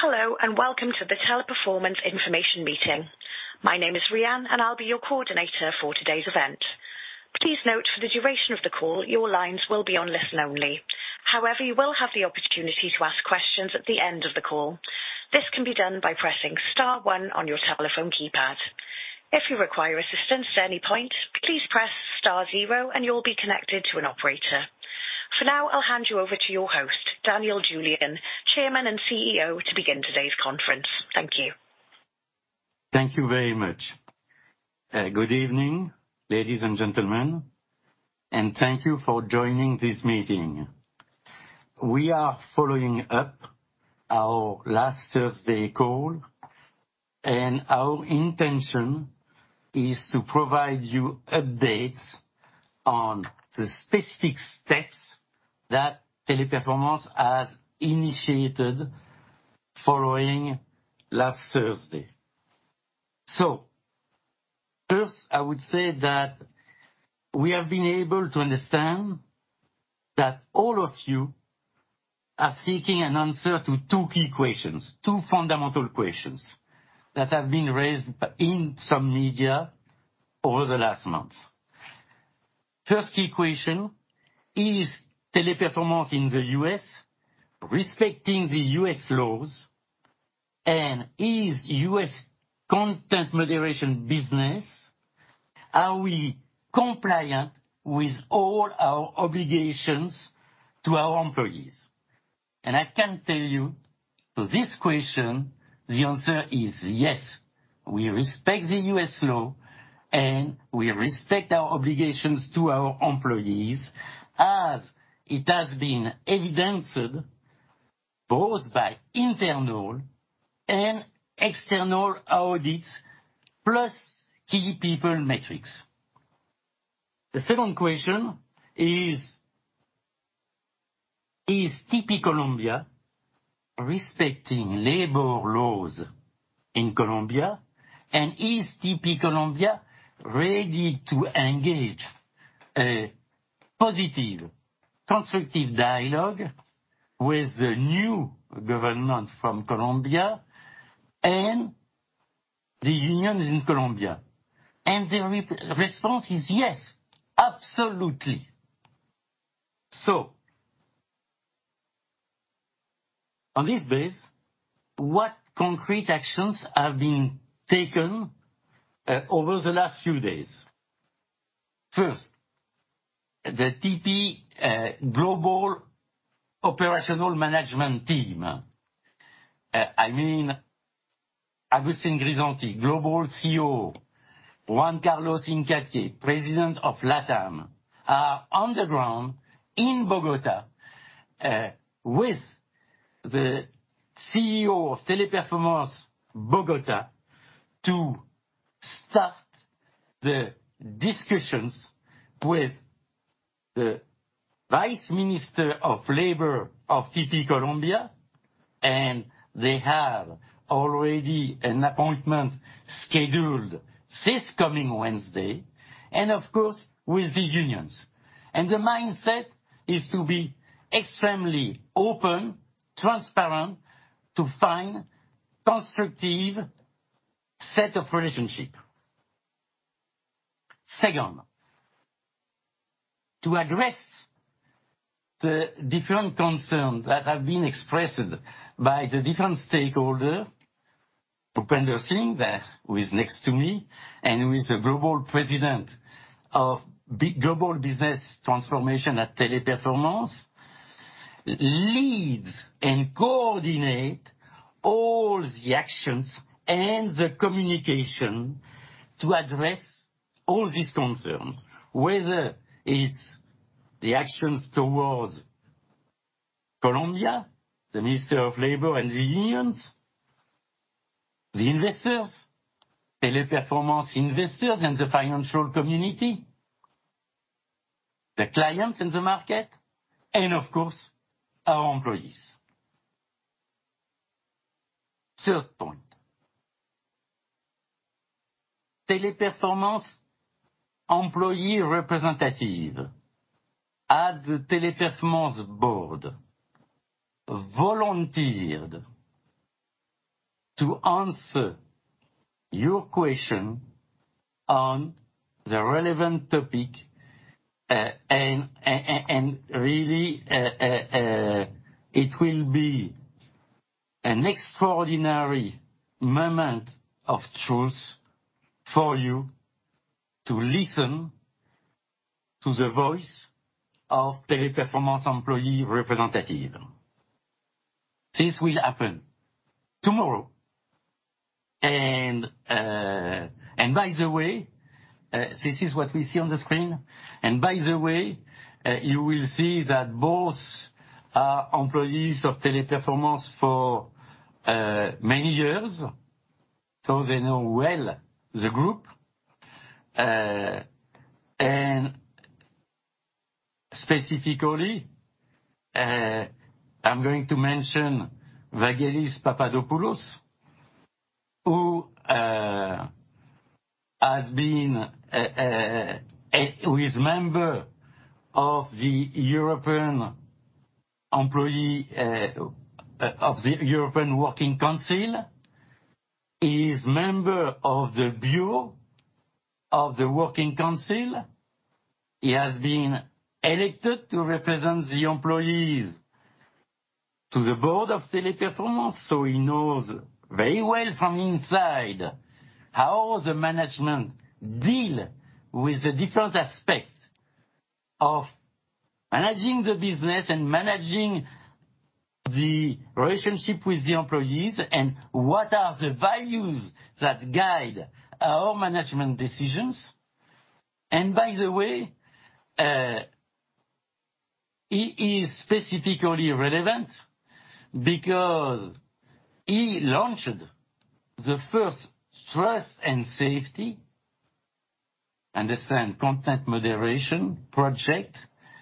Hello, and welcome to the Teleperformance Information Meeting. My name is Rhian, and I'll be your coordinator for today's event. Please note for the duration of the call, your lines will be on listen-only. However, you will have the opportunity to ask questions at the end of the call. This can be done by pressing star one on your telephone keypad. If you require assistance at any point, please press star zero and you'll be connected to an operator. For now, I'll hand you over to your host, Daniel Julien, Chairman and CEO, to begin today's conference. Thank you. Thank you very much. Good evening, ladies and gentlemen, and thank you for joining this meeting. We are following up our last Thursday call, and our intention is to provide you updates on the specific steps that Teleperformance has initiated following last Thursday. First, I would say that we have been able to understand that all of you are seeking an answer to two key questions, two fundamental questions that have been raised in some media over the last months. First key question, is Teleperformance in the U.S. respecting the U.S. laws and is U.S. content moderation business, are we compliant with all our obligations to our employees? I can tell you to this question, the answer is yes. We respect the U.S. law and we respect our obligations to our employees as it has been evidenced both by internal and external audits, plus key people metrics. The second question is TP Colombia respecting labor laws in Colombia and is TP Colombia ready to engage a positive constructive dialogue with the new government from Colombia and the unions in Colombia? The response is yes, absolutely. On this basis, what concrete actions have been taken over the last few days? First, the TP global operational management team, I mean, Agustin Grisanti, Global COO, Juan Carlos Hincapié, President of LATAM, are on the ground in Bogotá with the CEO of Teleperformance Bogotá to start the discussions with the Vice Minister of Labor of TP Colombia. They have already an appointment scheduled this coming Wednesday and of course with the unions. The mindset is to be extremely open, transparent to find constructive set of relationship. Second, to address the different concerns that have been expressed by the different stakeholder. Bhupender Singh, there, who is next to me, and who is the Global President of Global Business Transformation at Teleperformance, leads and coordinate all the actions and the communication to address all these concerns, whether it's the actions towards Colombia, the Minister of Labor and the unions, the investors, Teleperformance investors and the financial community, the clients in the market and of course our employees. Third point, Teleperformance employee representative at Teleperformance board volunteered to answer your question on the relevant topic, really, it will be an extraordinary moment of truth for you to listen to the voice of Teleperformance employee representative. This will happen tomorrow. By the way, this is what we see on the screen. By the way, you will see that both are employees of Teleperformance for many years, so they know well the group. Specifically, I'm going to mention Evangelos Papadopoulos, who has been a member of the European Works Council. He is a member of the Bureau of the Works Council. He has been elected to represent the employees to the board of Teleperformance, so he knows very well from inside how the management deal with the different aspects of managing the business and managing the relationship with the employees, and what are the values that guide our management decisions. He is specifically relevant because he launched the first trust and safety content moderation project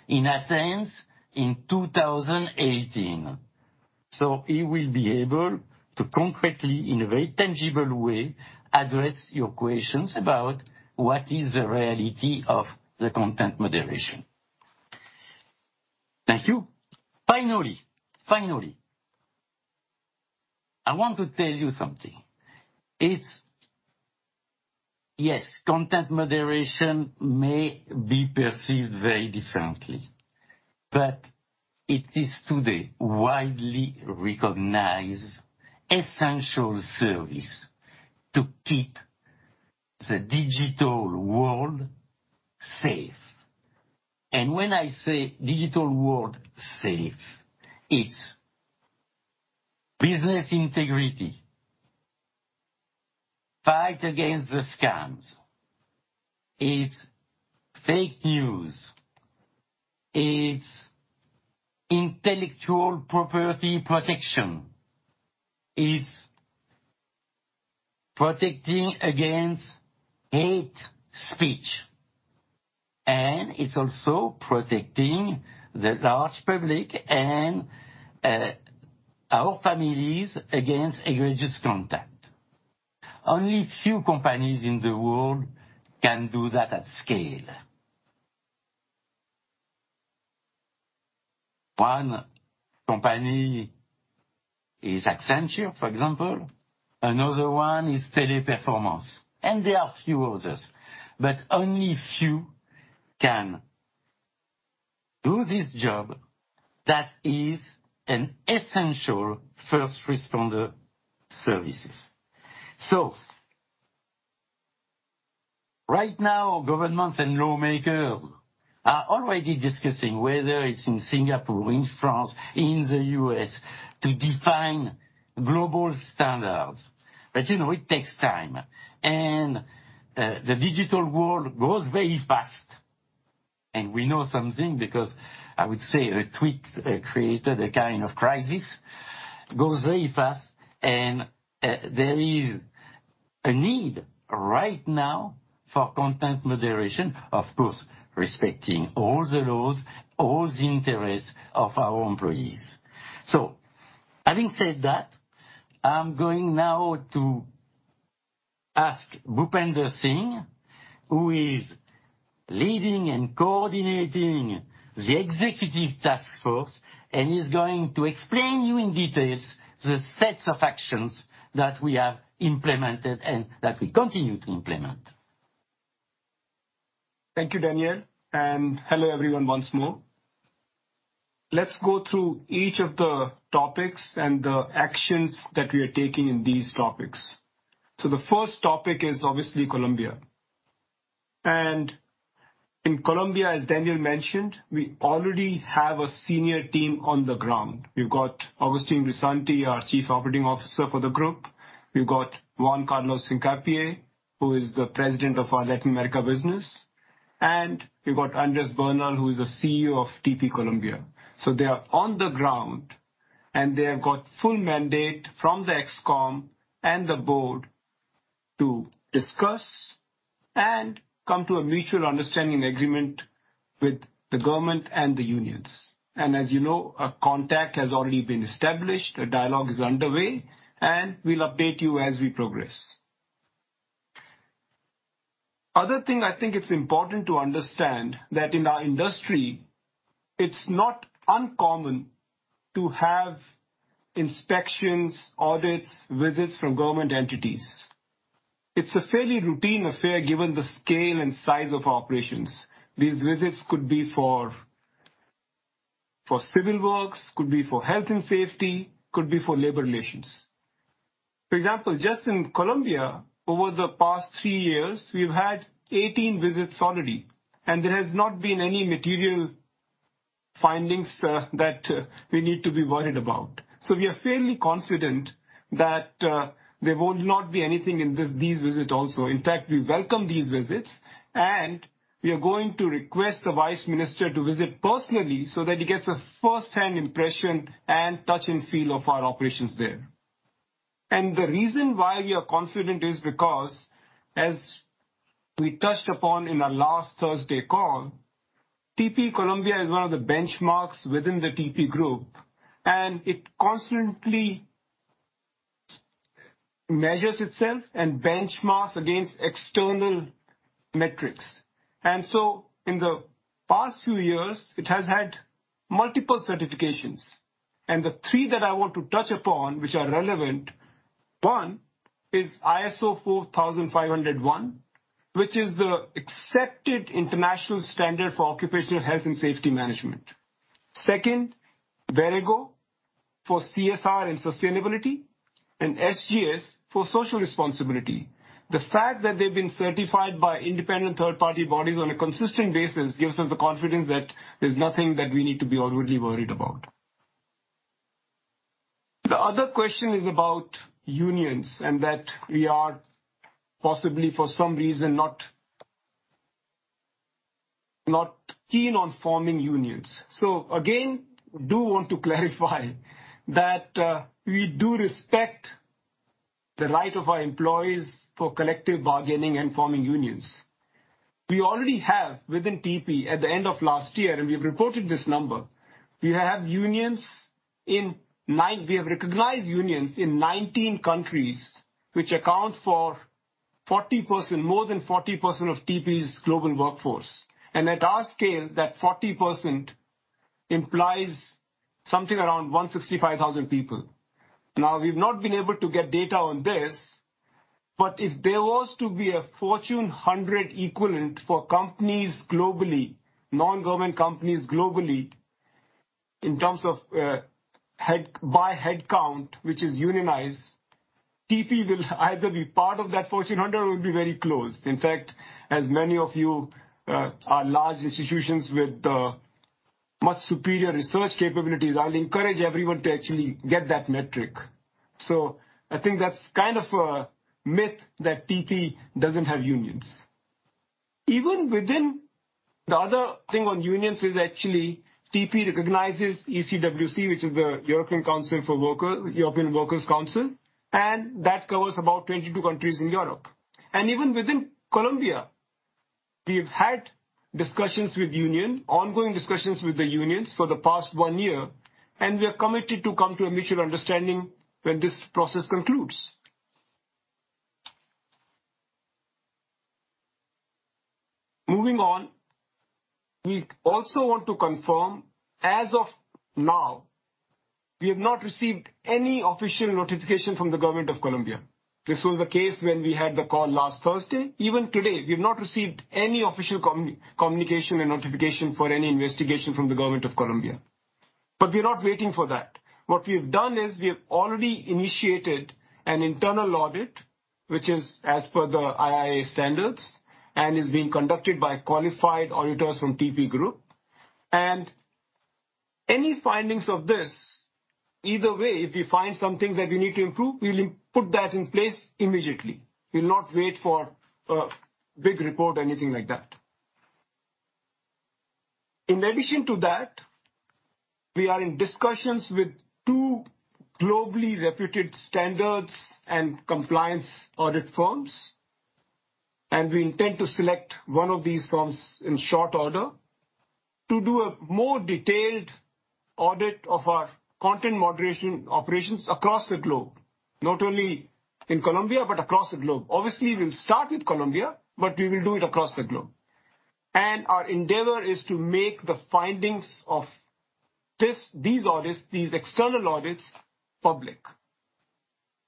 in Athens in 2018. He will be able to concretely, in a very tangible way, address your questions about what is the reality of the content moderation. Thank you. Finally, I want to tell you something. Content moderation may be perceived very differently, but it is today widely recognized essential service to keep the digital world safe. When I say digital world safe, it's business integrity, fight against the scams. It's fake news. It's intellectual property protection. It's protecting against hate speech. It's also protecting the large public and our families against egregious content. Only few companies in the world can do that at scale. One company is Accenture, for example. Another one is Teleperformance, and there are a few others. Only few can do this job that is an essential first responder services. Right now, governments and lawmakers are already discussing whether it's in Singapore or in France, in the U.S., to define global standards. You know, it takes time. The digital world grows very fast. We know something because I would say a tweet created a kind of crisis, goes very fast. There is a need right now for content moderation, of course, respecting all the laws, all the interests of our employees. Having said that, I'm going now to ask Bhupender Singh, who is leading and coordinating the executive task force, and he's going to explain to you in detail the sets of actions that we have implemented and that we continue to implement. Thank you, Daniel, and hello everyone once more. Let's go through each of the topics and the actions that we are taking in these topics. The first topic is obviously Colombia. In Colombia, as Daniel mentioned, we already have a senior team on the ground. We've got Augustin de Grisanti, our Chief Operating Officer for the group. We've got Juan Carlos Hincapié, who is the President of our Latin America business. We've got Andrés Bernal, who is the CEO of TP Colombia. They are on the ground, and they have got full mandate from the ExCom and the board to discuss and come to a mutual understanding agreement with the government and the unions. As you know, a contact has already been established, a dialogue is underway, and we'll update you as we progress. Other thing I think it's important to understand that in our industry, it's not uncommon to have inspections, audits, visits from government entities. It's a fairly routine affair given the scale and size of operations. These visits could be for civil works, could be for health and safety, could be for labor relations. For example, just in Colombia, over the past three years, we've had 18 visits already, and there has not been any material findings that we need to be worried about. We are fairly confident that there will not be anything in these visit also. In fact, we welcome these visits, and we are going to request the vice minister to visit personally so that he gets a first-hand impression and touch and feel of our operations there. The reason why we are confident is because, as we touched upon in our last Thursday call, TP Colombia is one of the benchmarks within the TP group, and it constantly measures itself and benchmarks against external metrics. In the past few years, it has had multiple certifications. The three that I want to touch upon which are relevant. One, is ISO 45001, which is the accepted international standard for occupational health and safety management. Second, Verego for CSR and sustainability, and SGS for social responsibility. The fact that they've been certified by independent third-party bodies on a consistent basis gives us the confidence that there's nothing that we need to be overly worried about. The other question is about unions and that we are possibly, for some reason, not keen on forming unions. We do want to clarify that we do respect the right of our employees for collective bargaining and forming unions. We already have within TP at the end of last year, and we've reported this number. We have recognized unions in 19 countries which account for 40%, more than 40% of TP's global workforce. At our scale, that 40% implies something around 165,000 people. Now, we've not been able to get data on this, but if there was to be a Fortune 100 equivalent for companies globally, non-government companies globally, in terms of headcount, which is unionized, TP will either be part of that Fortune 100 or it will be very close. In fact, as many of you are large institutions with much superior research capabilities, I'll encourage everyone to actually get that metric. I think that's kind of a myth that TP doesn't have unions. The other thing on unions is actually TP recognizes ECWC, which is the European Works Council, and that covers about 22 countries in Europe. Even within Colombia, we've had discussions with union, ongoing discussions with the unions for the past one year, and we are committed to come to a mutual understanding when this process concludes. Moving on, we also want to confirm, as of now, we have not received any official notification from the government of Colombia. This was the case when we had the call last Thursday. Even today, we have not received any official communication or notification for any investigation from the government of Colombia. We're not waiting for that. What we've done is we have already initiated an internal audit, which is as per the IIA standards and is being conducted by qualified auditors from TP Group. Any findings of this, either way, if we find some things that we need to improve, we'll put that in place immediately. We'll not wait for a big report or anything like that. In addition to that, we are in discussions with two globally reputed standards and compliance audit firms, and we intend to select one of these firms in short order to do a more detailed audit of our content moderation operations across the globe, not only in Colombia but across the globe. Obviously, we'll start with Colombia, but we will do it across the globe. Our endeavor is to make the findings of these external audits public.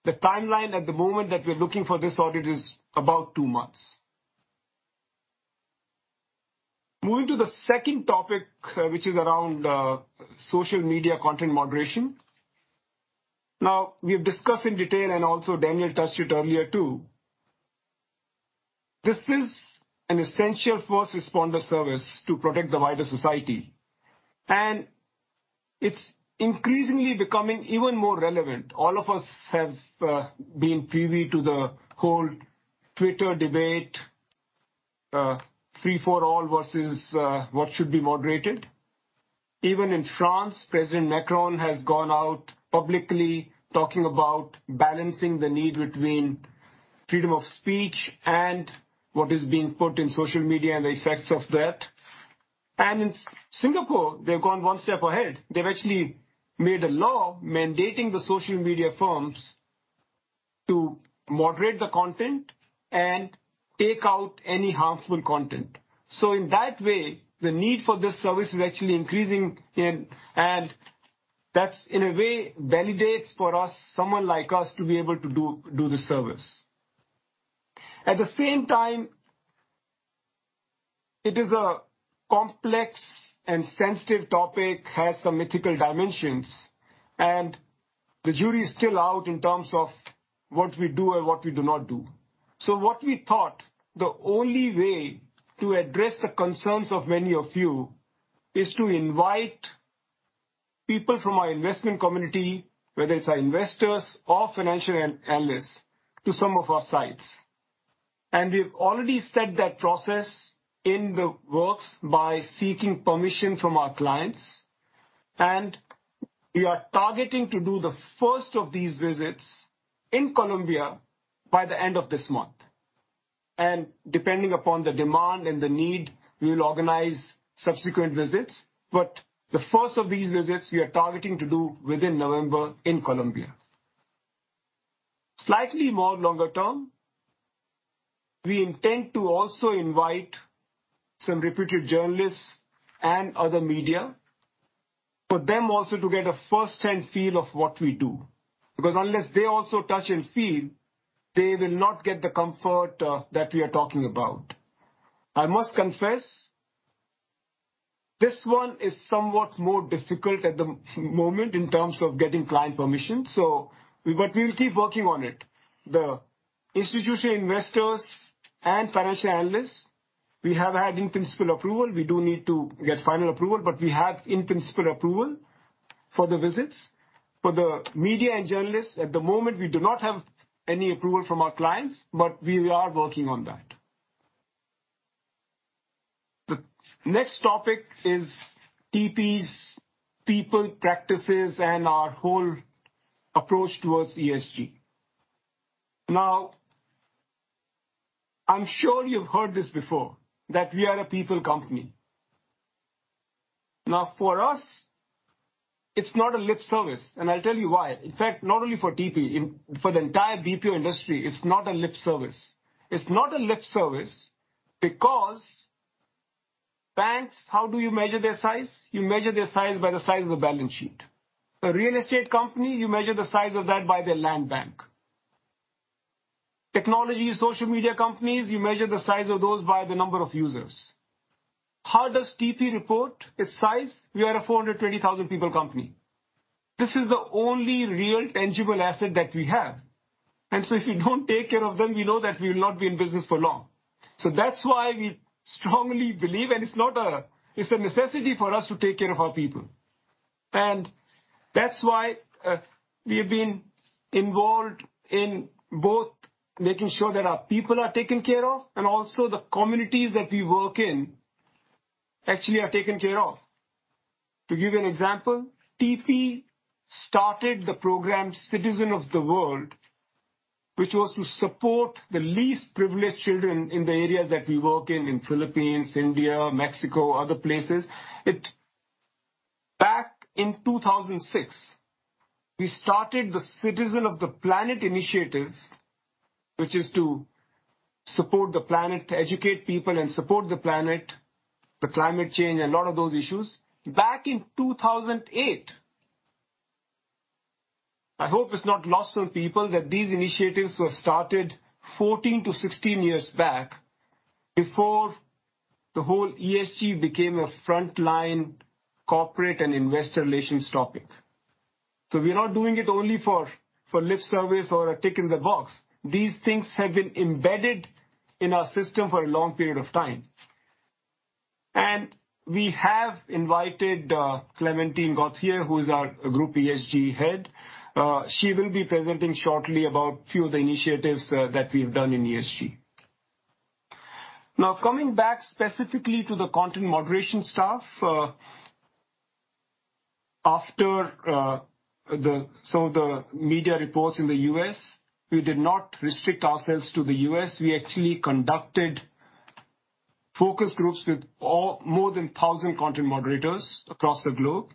The timeline at the moment that we're looking for this audit is about two months. Moving to the second topic, which is around social media content moderation. Now, we have discussed in detail, and also Daniel touched it earlier too. This is an essential first responder service to protect the wider society, and it's increasingly becoming even more relevant. All of us have been privy to the whole Twitter debate, free for all versus what should be moderated. Even in France, President Macron has gone out publicly talking about balancing the need between freedom of speech and what is being put in social media and the effects of that. In Singapore, they've gone one step ahead. They've actually made a law mandating the social media firms to moderate the content and take out any harmful content. In that way, the need for this service is actually increasing and that's in a way validates for us, someone like us to be able to do the service. At the same time, it is a complex and sensitive topic, has some ethical dimensions, and the jury is still out in terms of what we do and what we do not do. What we thought the only way to address the concerns of many of you is to invite people from our investment community, whether it's our investors or financial analysts, to some of our sites. We've already set that process in the works by seeking permission from our clients. We are targeting to do the first of these visits in Colombia by the end of this month. Depending upon the demand and the need, we will organize subsequent visits. The first of these visits we are targeting to do within November in Colombia. Slightly more longer term, we intend to also invite some reputed journalists and other media for them also to get a first-hand feel of what we do. Because unless they also touch and feel, they will not get the comfort that we are talking about. I must confess, this one is somewhat more difficult at the moment in terms of getting client permission, so but we will keep working on it. The institutional investors and financial analysts, we have had in-principle approval. We do need to get final approval, but we have in principle approval for the visits. For the media and journalists, at the moment, we do not have any approval from our clients, but we are working on that. The next topic is TP's people, practices, and our whole approach towards ESG. Now, I'm sure you've heard this before, that we are a people company. Now, for us, it's not a lip service, and I'll tell you why. In fact, not only for TP, for the entire BPO industry, it's not a lip service. It's not a lip service because banks, how do you measure their size? You measure their size by the size of the balance sheet. A real estate company, you measure the size of that by their land bank. Technology, social media companies, you measure the size of those by the number of users. How does TP report its size? We are a 420,000 people company. This is the only real tangible asset that we have. If we don't take care of them, we know that we will not be in business for long. That's why we strongly believe, it's a necessity for us to take care of our people. That's why we have been involved in both making sure that our people are taken care of and also the communities that we work in actually are taken care of. To give you an example, TP started the program Citizen of the World, which was to support the least privileged children in the areas that we work in Philippines, India, Mexico, other places. Back in 2006, we started the Citizen of the Planet initiative, which is to support the planet, to educate people and support the planet, the climate change, a lot of those issues. Back in 2008. I hope it's not lost on people that these initiatives were started 14-16 years back before the whole ESG became a frontline corporate and investor relations topic. We're not doing it only for lip service or a tick in the box. These things have been embedded in our system for a long period of time. We have invited Clémentine Gauthier, who is our Group ESG Head. She will be presenting shortly about few of the initiatives that we've done in ESG. Now, coming back specifically to the content moderation stuff, after some of the media reports in the U.S., we did not restrict ourselves to the U.S. We actually conducted focus groups with more than 1,000 content moderators across the globe.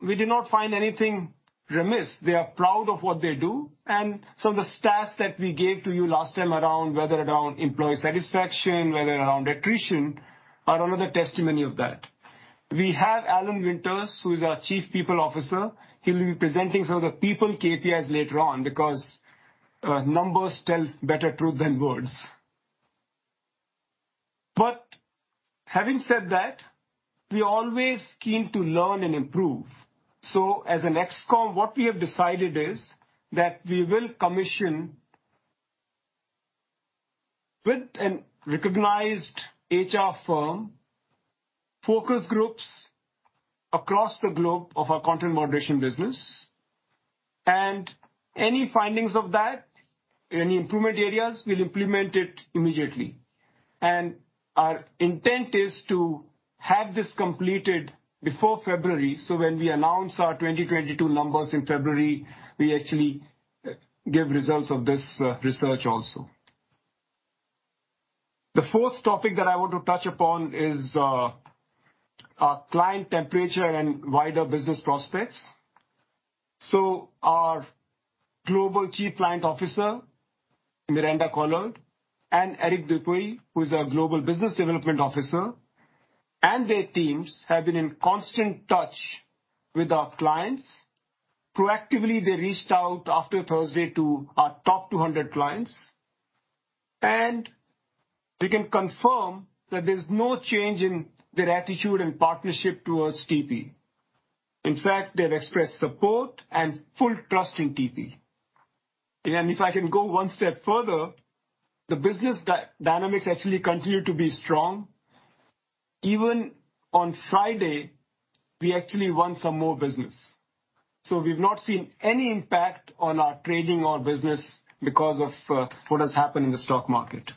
We did not find anything remiss. They are proud of what they do. Some of the stats that we gave to you last time around, whether around employee satisfaction, whether around attrition, are another testimony of that. We have Alan Winters, who is our Chief People Officer. He'll be presenting some of the people KPIs later on because numbers tell better truth than words. Having said that, we always keen to learn and improve. As an ExCom, what we have decided is that we will commission with a recognized HR firm, focus groups across the globe of our content moderation business, and any findings of that, any improvement areas, we'll implement it immediately. Our intent is to have this completed before February. When we announce our 2022 numbers in February, we actually give results of this, research also. The fourth topic that I want to touch upon is, our client temperature and wider business prospects. Our Global Chief Client Officer, Miranda Collard, and Eric Dupuy, who is our Global Business Development Officer, and their teams have been in constant touch with our clients. Proactively, they reached out after Thursday to our top 200 clients, and we can confirm that there's no change in their attitude and partnership towards TP. In fact, they've expressed support and full trust in TP. If I can go one step further, the business dynamics actually continue to be strong. Even on Friday, we actually won some more business. We've not seen any impact on our trading or business because of what has happened in the stock market.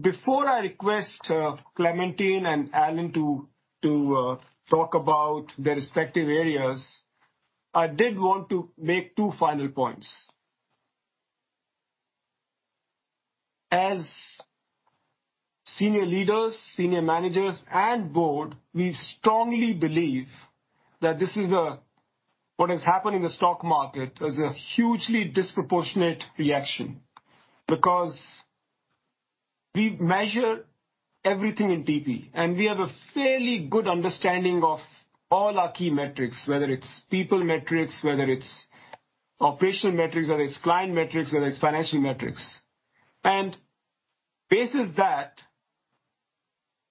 Before I request Clémentine and Alan to talk about their respective areas, I did want to make two final points. As senior leaders, senior managers and board, we strongly believe that what has happened in the stock market is a hugely disproportionate reaction because we measure everything in TP, and we have a fairly good understanding of all our key metrics, whether it's people metrics, whether it's operational metrics, whether it's client metrics, whether it's financial metrics. On that basis,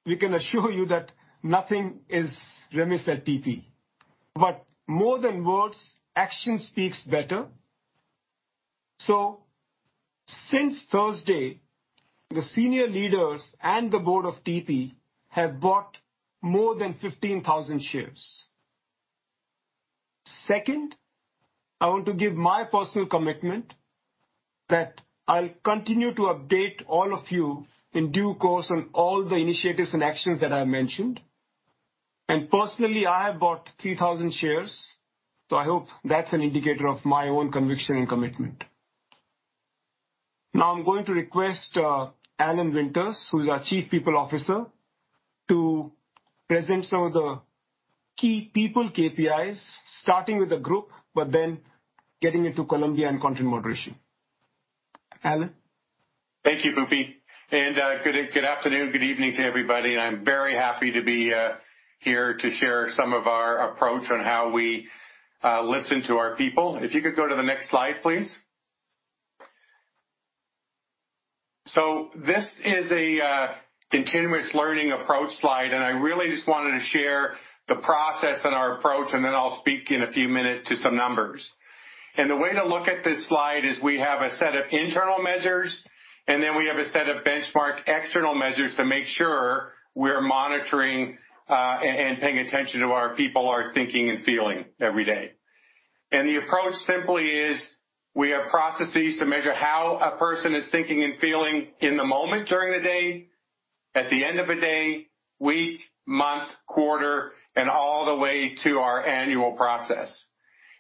we can assure you that nothing is remiss at TP. More than words, action speaks better. Since Thursday, the senior leaders and the board of TP have bought more than 15,000 shares. Second, I want to give my personal commitment that I'll continue to update all of you in due course on all the initiatives and actions that I mentioned. Personally, I have bought 3,000 shares, so I hope that's an indicator of my own conviction and commitment. Now I'm going to request Alan Winters, who's our Chief People Officer, to present some of the key people KPIs starting with the group, but then getting into Colombia and content moderation. Alan? Thank you, Bhupi. Good afternoon, good evening to everybody, and I'm very happy to be here to share some of our approach on how we listen to our people. If you could go to the next slide, please. So this is a continuous learning approach slide, and I really just wanted to share the process and our approach, and then I'll speak in a few minutes to some numbers. The way to look at this slide is we have a set of internal measures, and then we have a set of benchmark external measures to make sure we're monitoring and paying attention to what our people are thinking and feeling every day. The approach simply is we have processes to measure how a person is thinking and feeling in the moment during the day, at the end of a day, week, month, quarter, and all the way to our annual process.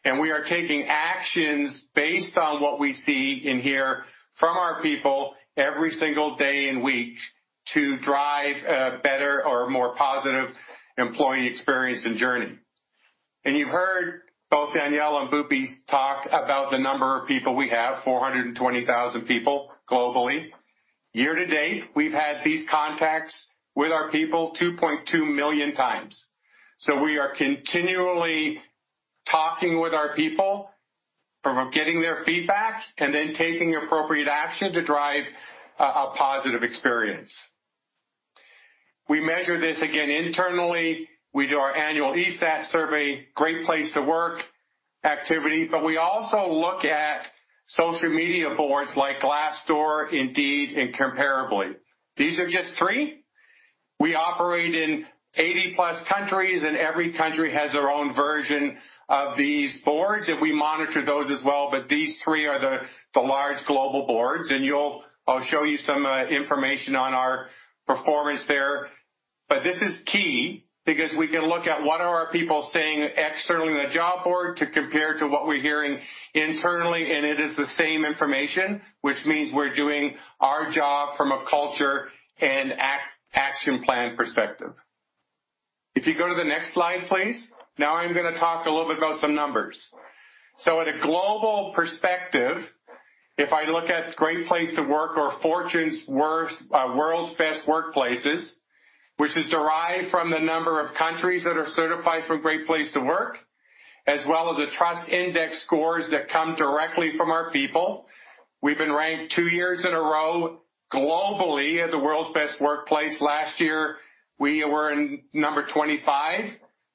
We are taking actions based on what we see in here from our people every single day and week to drive a better or more positive employee experience and journey. You've heard both Daniel and Bhupi talk about the number of people we have, 420,000 people globally. Year to date, we've had these contacts with our people 2.2 million times. We are continually talking with our people from getting their feedback and then taking appropriate action to drive a positive experience. We measure this again internally. We do our annual ESAT survey, Great Place to Work activity, but we also look at social media boards like Glassdoor, Indeed, and Comparably. These are just three. We operate in 80+ countries, and every country has their own version of these boards, and we monitor those as well. But these three are the large global boards, and I'll show you some information on our performance there. But this is key because we can look at what are our people saying externally in the job board to compare to what we're hearing internally, and it is the same information, which means we're doing our job from a culture and action plan perspective. If you go to the next slide, please. Now I'm gonna talk a little bit about some numbers. At a global perspective, if I look at Great Place to Work or Fortune's World's Best Workplaces, which is derived from the number of countries that are certified from Great Place to Work, as well as the trust index scores that come directly from our people, we've been ranked two years in a row globally as the World's Best Workplace. Last year, we were in number 25.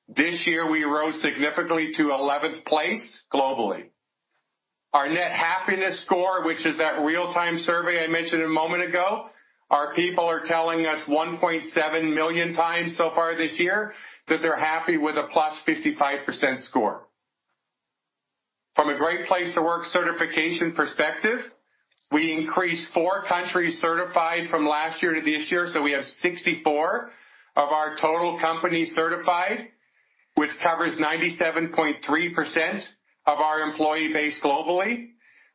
This year, we rose significantly to 11th place globally. Our net happiness score, which is that real-time survey I mentioned a moment ago, our people are telling us 1.7 million times so far this year that they're happy with a +55% score. From a Great Place to Work certification perspective, we increased 4 countries certified from last year to this year, so we have 64 of our total company certified, which covers 97.3% of our employee base globally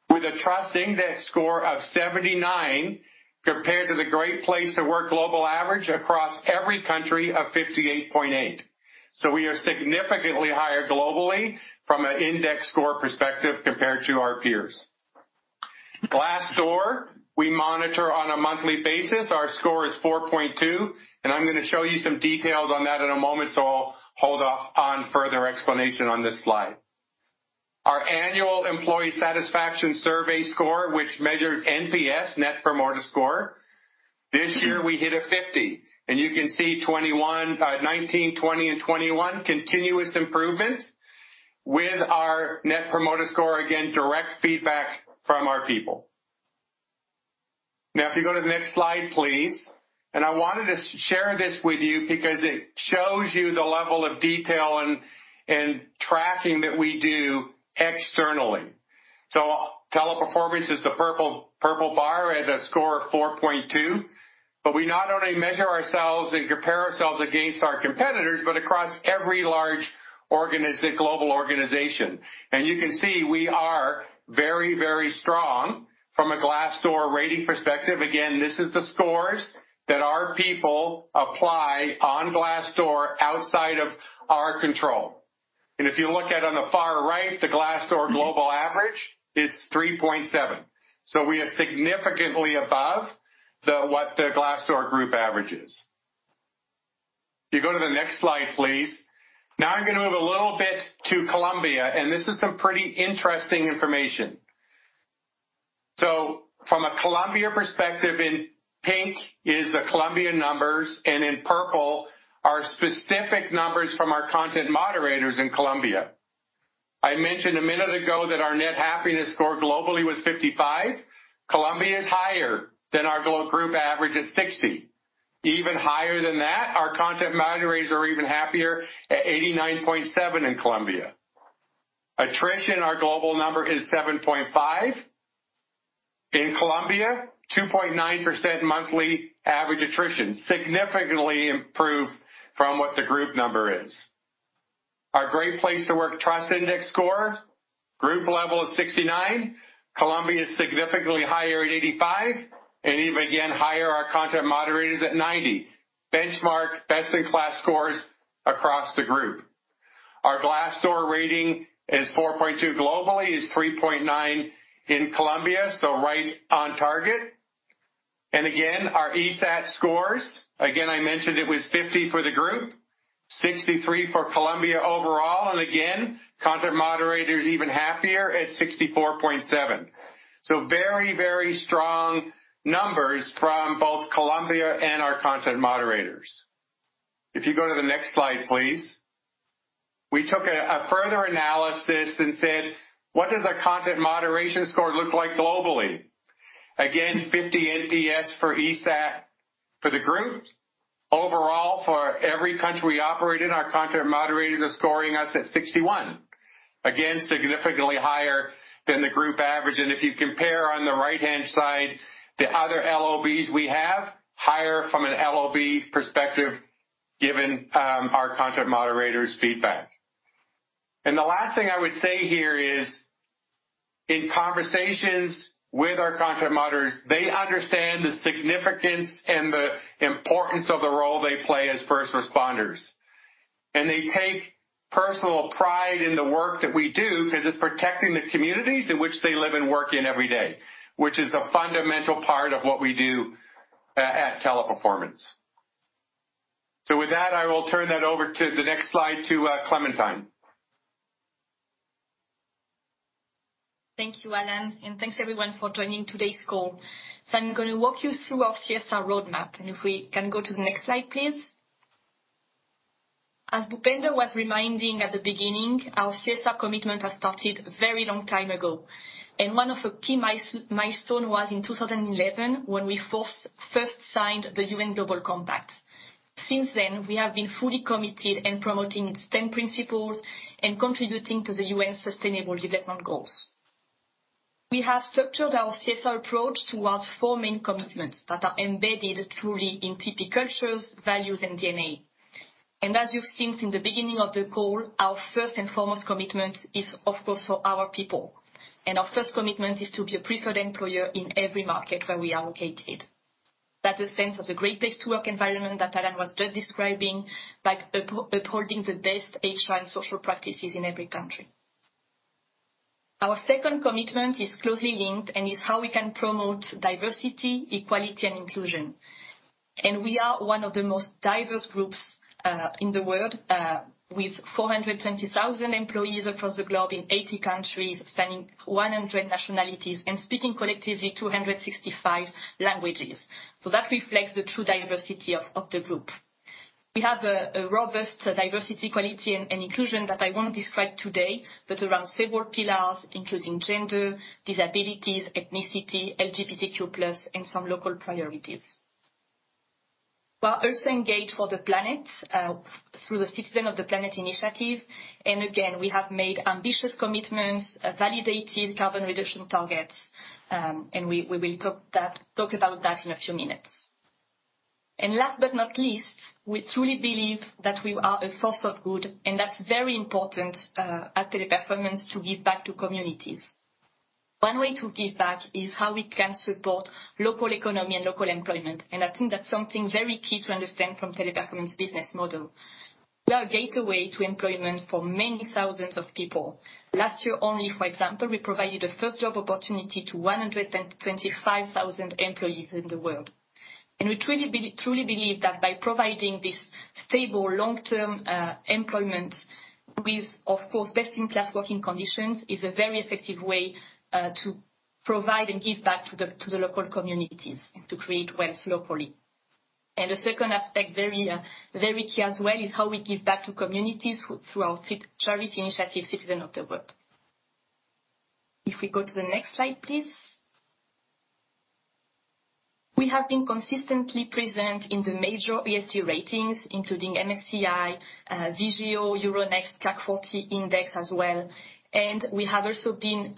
with a trust index score of 79 compared to the Great Place to Work global average across every country of 58.8. We are significantly higher globally from an index score perspective compared to our peers. Glassdoor, we monitor on a monthly basis. Our score is 4.2, and I'm gonna show you some details on that in a moment, so I'll hold off on further explanation on this slide. Our annual employee satisfaction survey score, which measures NPS, Net Promoter Score, this year we hit a 50, and you can see 21, 19, 20 and 21, continuous improvement with our net promoter score, again, direct feedback from our people. Now, if you go to the next slide, please. I wanted to share this with you because it shows you the level of detail and tracking that we do externally. Teleperformance is the purple bar at a score of 4.2. But we not only measure ourselves and compare ourselves against our competitors, but across every large global organization. You can see we are very, very strong from a Glassdoor rating perspective. Again, this is the scores that our people apply on Glassdoor outside of our control. If you look at on the far right, the Glassdoor global average is 3.7. We are significantly above the Glassdoor group average is. If you go to the next slide, please. Now I'm gonna move a little bit to Colombia, and this is some pretty interesting information. From a Colombia perspective, in pink is the Colombian numbers, and in purple are specific numbers from our content moderators in Colombia. I mentioned a minute ago that our net happiness score globally was 55. Colombia is higher than our group average at 60. Even higher than that, our content moderators are even happier at 89.7 in Colombia. Attrition, our global number is 7.5. In Colombia, 2.9% monthly average attrition, significantly improved from what the group number is. Our Great Place to Work Trust Index score, group level, is 69. Colombia is significantly higher at 85. Even again higher, our content moderators at 90. Benchmark best-in-class scores across the group. Our Glassdoor rating is 4.2 globally, is 3.9 in Colombia, so right on target. Again, our ESAT scores, again, I mentioned it was 50 for the group, 63 for Colombia overall. Again, content moderators even happier at 64.7. Very, very strong numbers from both Colombia and our content moderators. If you go to the next slide, please. We took a further analysis and said, "What does a content moderation score look like globally?" Again, 50 NPS for ESAT for the group. Overall, for every country we operate in, our content moderators are scoring us at 61. Again, significantly higher than the group average. If you compare on the right-hand side, the other LOBs we have, higher from an LOB perspective, given our content moderators' feedback. The last thing I would say here is, in conversations with our content moderators, they understand the significance and the importance of the role they play as first responders. They take personal pride in the work that we do 'cause it's protecting the communities in which they live and work in every day, which is a fundamental part of what we do at Teleperformance. With that, I will turn that over to the next slide to Clémentine. Thank you, Alan, and thanks, everyone, for joining today's call. I'm gonna walk you through our CSR roadmap. If we can go to the next slide, please. As Bhupender was reminding at the beginning, our CSR commitment has started very long time ago. One of the key milestone was in 2011 when we first signed the UN Global Compact. Since then, we have been fully committed in promoting its 10 principles and contributing to the UN's Sustainable Development Goals. We have structured our CSR approach towards four main commitments that are embedded truly in TP cultures, values, and DNA. As you've seen from the beginning of the call, our first and foremost commitment is, of course, for our people. Our first commitment is to be a preferred employer in every market where we are located. That's a sense of the Great Place to Work environment that Alan was just describing by upholding the best HR and social practices in every country. Our second commitment is closely linked and is how we can promote diversity, equality, and inclusion. We are one of the most diverse groups in the world with 420,000 employees across the globe in 80 countries spanning 100 nationalities and speaking collectively 265 languages. That reflects the true diversity of the group. We have a robust diversity, equality, and inclusion that I won't describe today, but around several pillars, including gender, disabilities, ethnicity, LGBTQ+, and some local priorities. We're also engaged for the planet through the Citizen of the Planet initiative. Again, we have made ambitious commitments, validated carbon reduction targets, and we will talk about that in a few minutes. Last but not least, we truly believe that we are a force of good, and that's very important at Teleperformance to give back to communities. One way to give back is how we can support local economy and local employment, and I think that's something very key to understand from Teleperformance business model. We're a gateway to employment for many thousands of people. Last year only, for example, we provided a first job opportunity to 125,000 employees in the world. We truly believe that by providing this stable, long-term, employment with, of course, best-in-class working conditions, is a very effective way, to provide and give back to the local communities and to create wealth locally. The second aspect, very key as well, is how we give back to communities through our charity initiative, Citizen of the World. If we go to the next slide, please. We have been consistently present in the major ESG ratings, including MSCI, Vigeo, Euronext, CAC 40 index as well. We have also been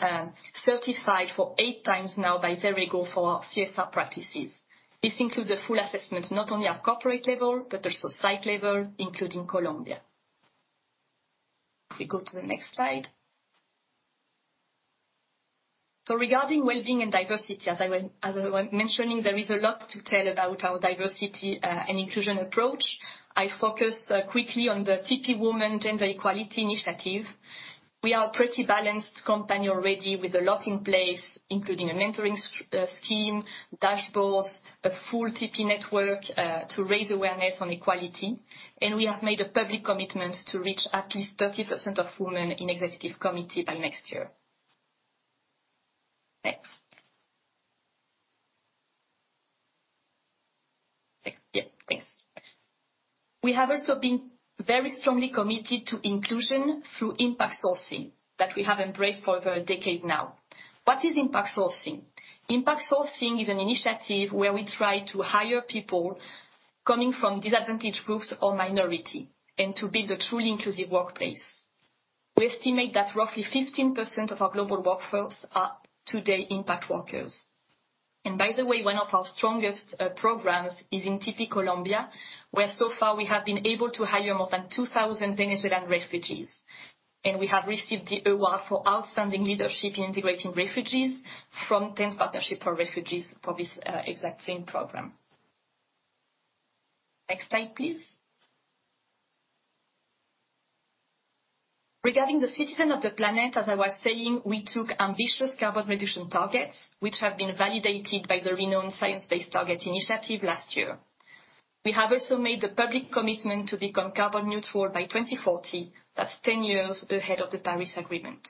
certified for eight times now by Verego for our CSR practices. This includes a full assessment, not only at corporate level, but also site level, including Colombia. If we go to the next slide. Regarding wellbeing and diversity, as I was mentioning, there is a lot to tell about our diversity and inclusion approach. I focus quickly on the TP Women Gender Equality Initiative. We are a pretty balanced company already with a lot in place, including a mentoring scheme, dashboards, a full TP network to raise awareness on equality. We have made a public commitment to reach at least 30% of women in Executive Committee by next year. Next, yeah, thanks. We have also been very strongly committed to inclusion through impact sourcing that we have embraced for over a decade now. What is impact sourcing? Impact sourcing is an initiative where we try to hire people coming from disadvantaged groups or minority, and to build a truly inclusive workplace. We estimate that roughly 15% of our global workforce are today impact workers. By the way, one of our strongest programs is in TP Colombia, where so far we have been able to hire more than 2,000 Venezuelan refugees. We have received the award for outstanding leadership in integrating refugees from Tent Partnership for Refugees for this exact same program. Next slide, please. Regarding the Citizen of the Planet, as I was saying, we took ambitious carbon reduction targets, which have been validated by the renowned Science Based Targets initiative last year. We have also made the public commitment to become carbon neutral by 2040. That's 10 years ahead of the Paris Agreement.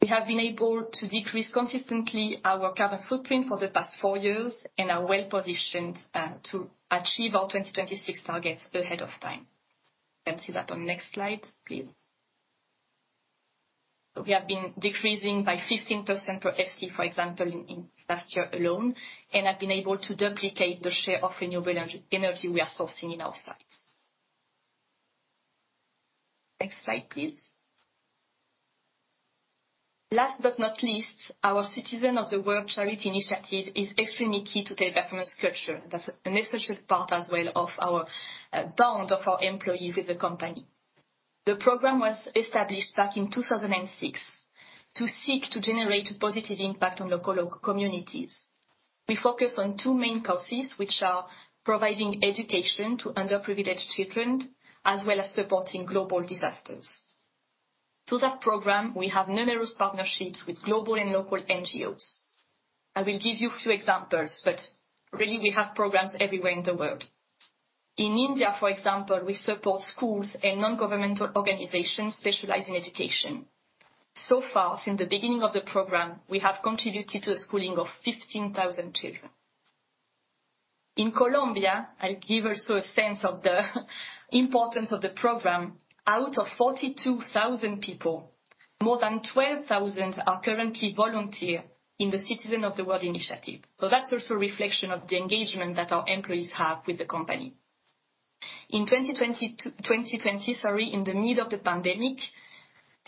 We have been able to decrease consistently our carbon footprint for the past four years and are well positioned to achieve our 2026 targets ahead of time. You can see that on next slide, please. We have been decreasing by 15% per FC, for example, in last year alone, and have been able to duplicate the share of renewable energy we are sourcing in our sites. Next slide, please. Last but not least, our Citizen of the World charity initiative is extremely key to the performance culture. That's an essential part as well of our bond of our employee with the company. The program was established back in 2006 to seek to generate a positive impact on local communities. We focus on two main causes, which are providing education to underprivileged children, as well as supporting global disasters. Through that program, we have numerous partnerships with global and local NGOs. I will give you a few examples, but really we have programs everywhere in the world. In India, for example, we support schools and non-governmental organizations specialized in education. So far, since the beginning of the program, we have contributed to the schooling of 15,000 children. In Colombia, I'll also give a sense of the importance of the program. Out of 42,000 people, more than 12,000 are currently volunteers in the Citizen of the World initiative. That's also a reflection of the engagement that our employees have with the company. In 2020, in the middle of the pandemic,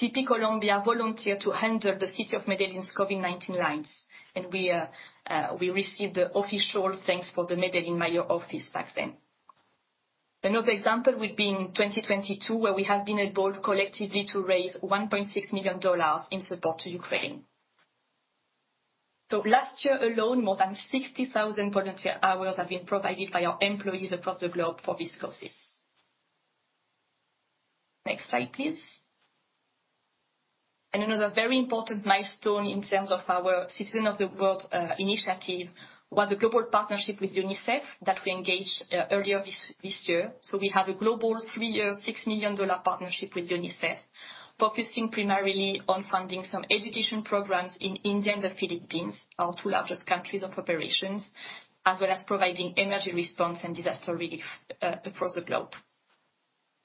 TP Colombia volunteered to handle the city of Medellín's COVID-19 lines, and we received the official thanks from the Medellín mayor's office back then. Another example would be in 2022, where we have been able collectively to raise $1.6 million in support to Ukraine. Last year alone, more than 60,000 volunteer hours have been provided by our employees across the globe for these causes. Next slide, please. Another very important milestone in terms of our Citizen of the World initiative was the global partnership with UNICEF that we engaged earlier this year. We have a global three-year, $6 million partnership with UNICEF, focusing primarily on funding some education programs in India and the Philippines, our two largest countries of operations, as well as providing emergency response and disaster relief across the globe.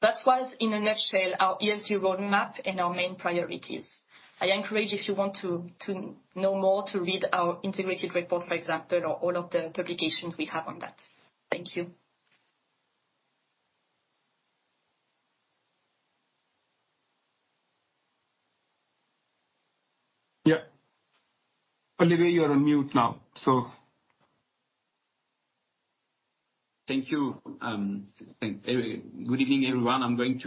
That was, in a nutshell, our ESG roadmap and our main priorities. I encourage you, if you want to know more, to read our integrated report, for example, or all of the publications we have on that. Thank you. Yeah. Olivier, you are on mute now, so. Good evening, everyone. I'm going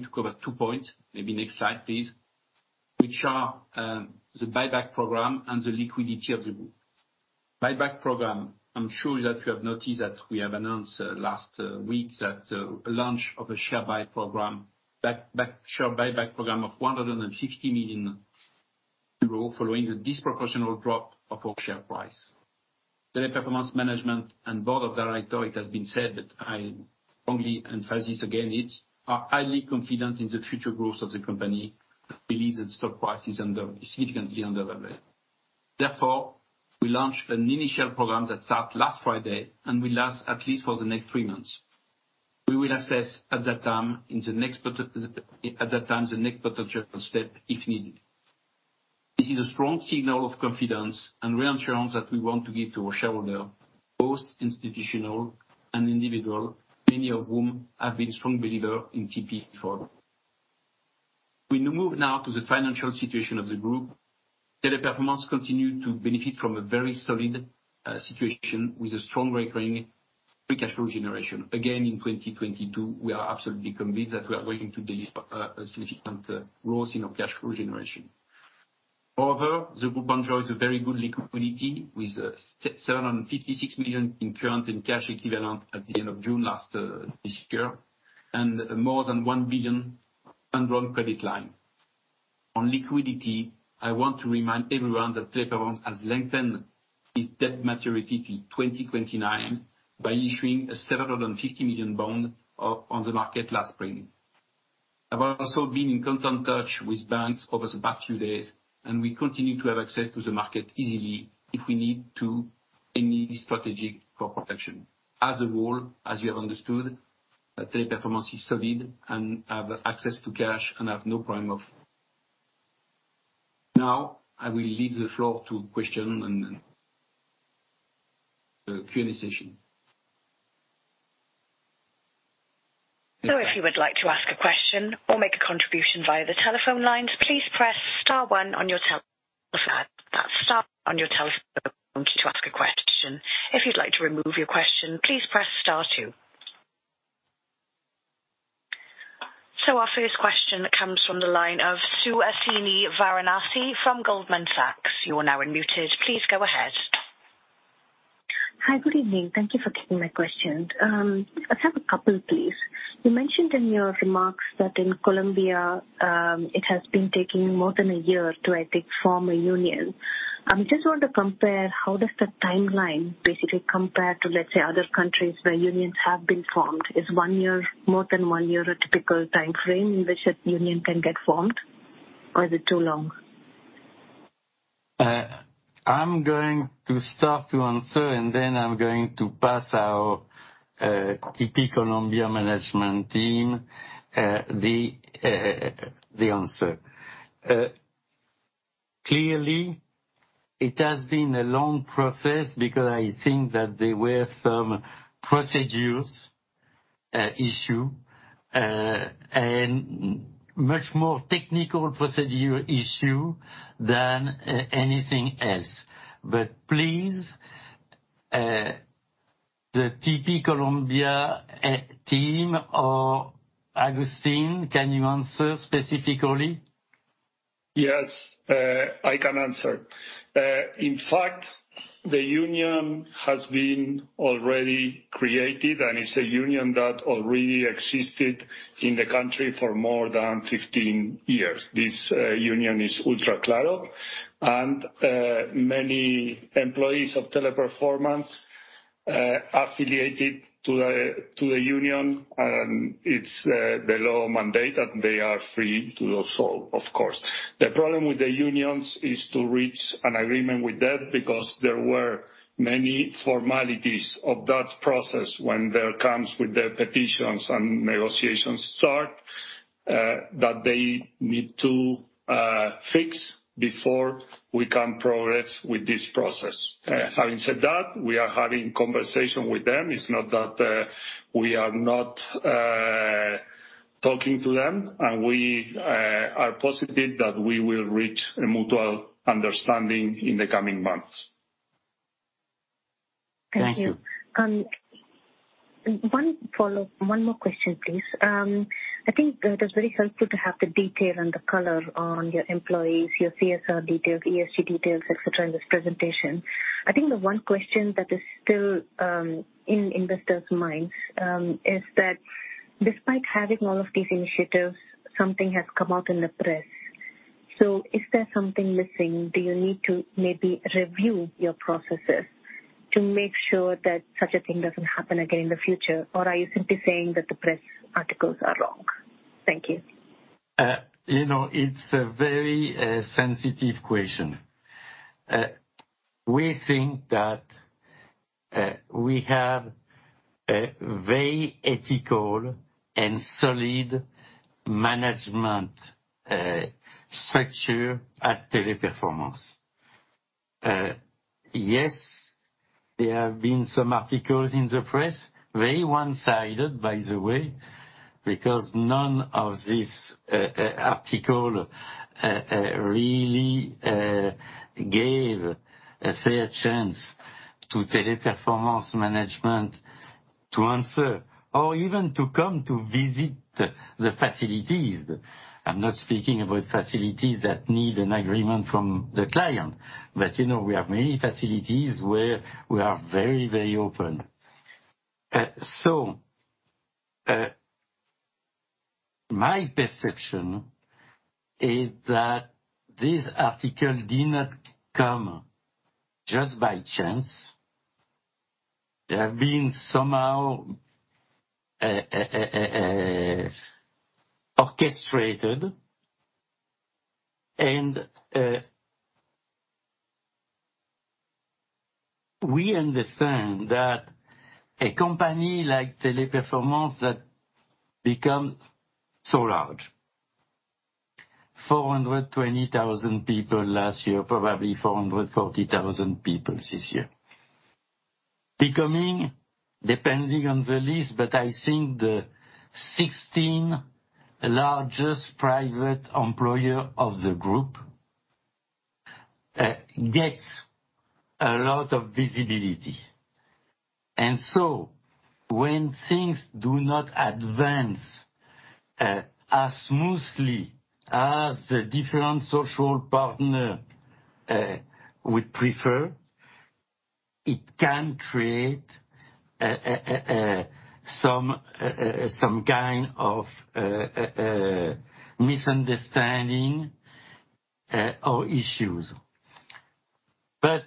to cover two points. Maybe next slide, please. Which are the buyback program and the liquidity of the group. Buyback program. I'm sure that you have noticed that we have announced last week that the launch of a share buyback program of 160 million euro following the disproportionate drop of our share price. Teleperformance management and board of directors, it has been said, but I strongly emphasize this again, we are highly confident in the future growth of the company. I believe that stock price is significantly undervalued. Therefore, we launched an initial program that start last Friday and will last at least for the next three months. We will assess at that time the next potential step if needed. This is a strong signal of confidence and reassurance that we want to give to our shareholder, both institutional and individual, many of whom have been strong believer in TP before. We now move to the financial situation of the group. Teleperformance continued to benefit from a very solid situation with a strong recurring free cash flow generation. Again, in 2022, we are absolutely convinced that we are going to deliver a significant growth in our cash flow generation. The group enjoys a very good liquidity with 756 million in cash and cash equivalents at the end of June last this year and more than 1 billion undrawn credit line. On liquidity, I want to remind everyone that Teleperformance has lengthened its debt maturity to 2029 by issuing a 750 million bond on the market last spring. I've also been in constant touch with banks over the past few days, and we continue to have access to the market easily if we need for any strategic corporate action. As a whole, as you have understood, Teleperformance is solid and have access to cash and have no problem. Now I will leave the floor to question and Q&A session. If you would like to ask a question or make a contribution via the telephone lines, please press star one on your telephone. That's star one on your telephone to ask a question. If you'd like to remove your question, please press star two. Our first question comes from the line of Suhasini Varanasi from Goldman Sachs. You are now unmuted. Please go ahead. Hi. Good evening. Thank you for taking my question. I have a couple, please. You mentioned in your remarks that in Colombia, it has been taking more than a year to, I think, form a union. I just want to compare how does the timeline basically compare to, let's say, other countries where unions have been formed. Is one year, more than one year a typical timeframe in which a union can get formed, or is it too long? I'm going to start to answer, and then I'm going to pass our Teleperformance Colombia management team the answer. Clearly it has been a long process because I think that there were some procedures issue and much more technical procedure issue than anything else. Please, the Teleperformance Colombia team or Agustin, can you answer specifically? Yes, I can answer. In fact, the union has been already created, and it's a union that already existed in the country for more than 15 years. This union is UTRACLARO. Many employees of Teleperformance affiliated to the union, and it's the law mandate, and they are free to do so, of course. The problem with the unions is to reach an agreement with them because there were many formalities of that process when there comes with the petitions and negotiations start that they need to fix before we can progress with this process. Having said that, we are having conversation with them. It's not that we are not talking to them. We are positive that we will reach a mutual understanding in the coming months. Thank you. Thank you. One follow-up. One more question, please. I think that it's very helpful to have the detail and the color on your employees, your CSR details, ESG details, et cetera, in this presentation. I think the one question that is still in investors' minds is that despite having all of these initiatives, something has come out in the press. Is there something missing? Do you need to maybe review your processes to make sure that such a thing doesn't happen again in the future? Or are you simply saying that the press articles are wrong? Thank you. You know, it's a very sensitive question. We think that we have a very ethical and solid management structure at Teleperformance. Yes, there have been some articles in the press, very one-sided, by the way, because none of this article really gave a fair chance to Teleperformance management to answer or even to come to visit the facilities. I'm not speaking about facilities that need an agreement from the client. You know, we have many facilities where we are very, very open. My perception is that this article did not come just by chance. They have been somehow orchestrated and we understand that a company like Teleperformance that becomes so large, 420,000 people last year, probably 440,000 people this year. Becoming, depending on the list, but I think the 16 largest private employer of the group gets a lot of visibility. When things do not advance as smoothly as the different social partner would prefer, it can create some kind of misunderstanding or issues. For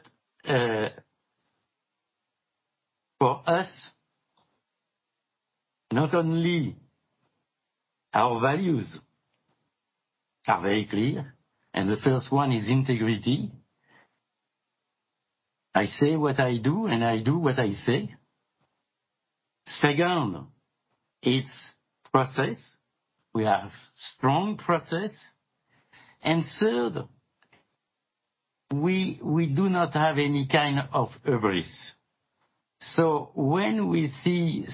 us, not only our values are very clear, and the first one is integrity. I say what I do, and I do what I say. Second, it's process. We have strong process. Third, we do not have any kind of hubris. When we see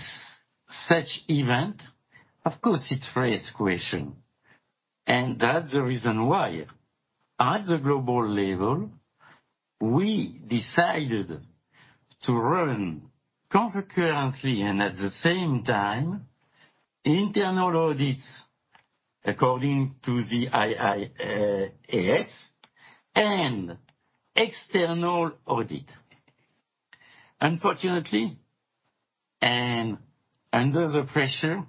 such event, of course, it raise question. That's the reason why, at the global level, we decided to run concurrently and at the same time, internal audits according to the IIA's and external audit. Unfortunately, under the pressure,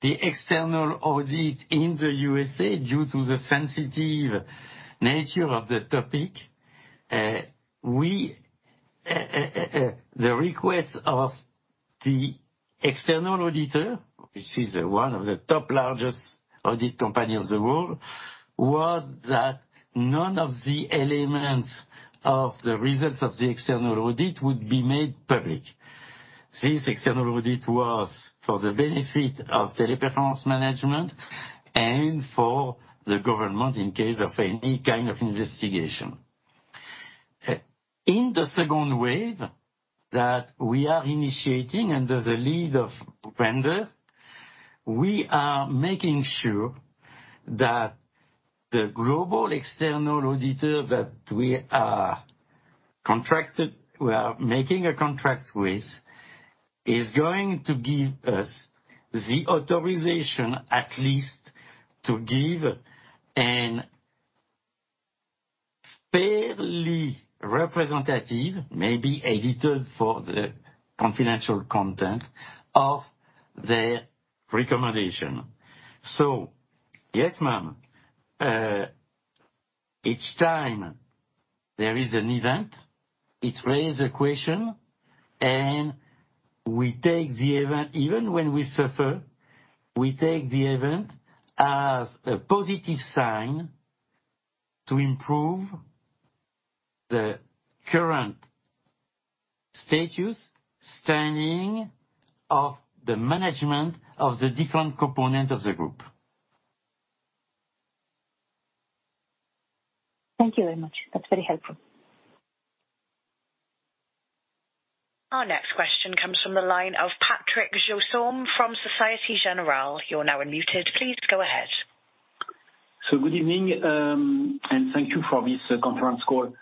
the external audit in the USA, due to the sensitive nature of the topic, the request of the external auditor, which is one of the top largest audit company of the world, was that none of the elements of the results of the external audit would be made public. This external audit was for the benefit of Teleperformance management and for the government in case of any kind of investigation. In the second wave that we are initiating under the lead of Bhupender, we are making sure that the global external auditor that we are making a contract with is going to give us the authorization at least to give a fairly representative, maybe a little for the confidential content of their recommendation. Yes, ma'am, each time there is an event, it raise a question, and we take the event. Even when we suffer, we take the event as a positive sign to improve the current status, standing of the management of the different component of the group. Thank you very much. That's very helpful. Our next question comes from the line of Patrick Jousseaume from Société Générale. You're now unmuted. Please go ahead. Good evening, and thank you for this conference call.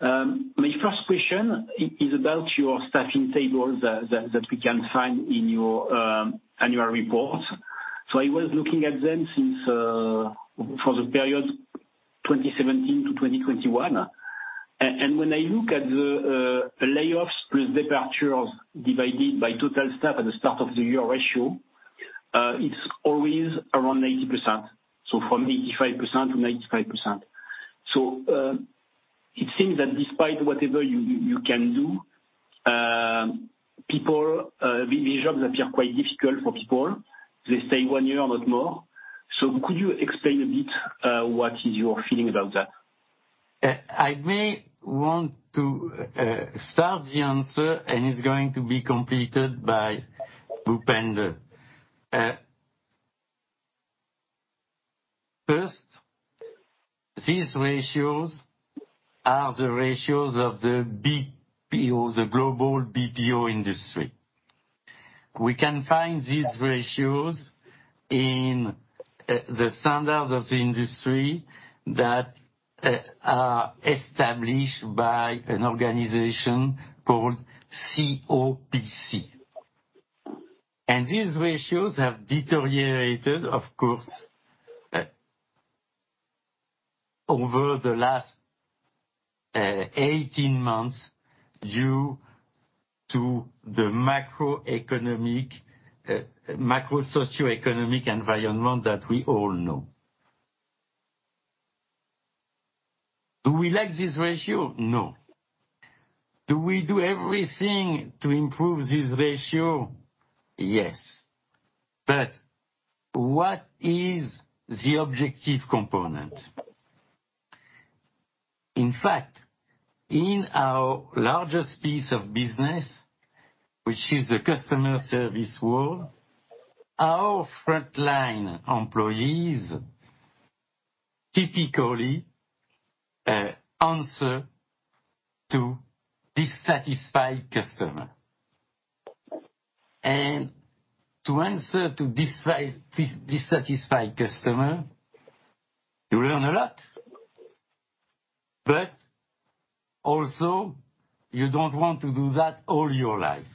My first question is about your staffing tables that we can find in your annual report. I was looking at them since for the period 2017 to 2021. And when I look at the layoffs plus departures divided by total staff at the start of the year ratio, it's always around 80%. From 85% to 95%. It seems that despite whatever you can do, people these jobs appear quite difficult for people. They stay one year or not more. Could you explain a bit what is your feeling about that? I may want to start the answer, and it's going to be completed by Bhupender. First, these ratios are the ratios of the BPO, the global BPO industry. We can find these ratios in the standard of the industry that are established by an organization called COPC. These ratios have deteriorated, of course, over the last 18 months due to the macroeconomic macro-socioeconomic environment that we all know. Do we like this ratio? No. Do we do everything to improve this ratio? Yes. But what is the objective component? In fact, in our largest piece of business, which is the customer service world, our frontline employees typically answer to dissatisfied customer. To answer to dissatisfied customer, you learn a lot, but also you don't want to do that all your life.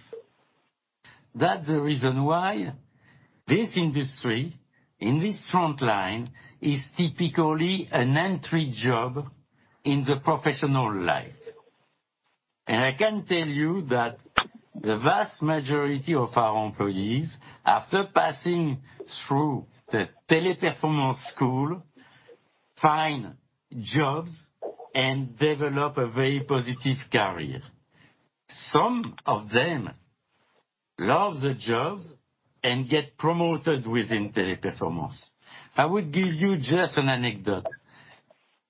That's the reason why this industry, in this frontline, is typically an entry job in the professional life. I can tell you that the vast majority of our employees, after passing through the Teleperformance school, find jobs and develop a very positive career. Some of them love the jobs and get promoted within Teleperformance. I would give you just an anecdote.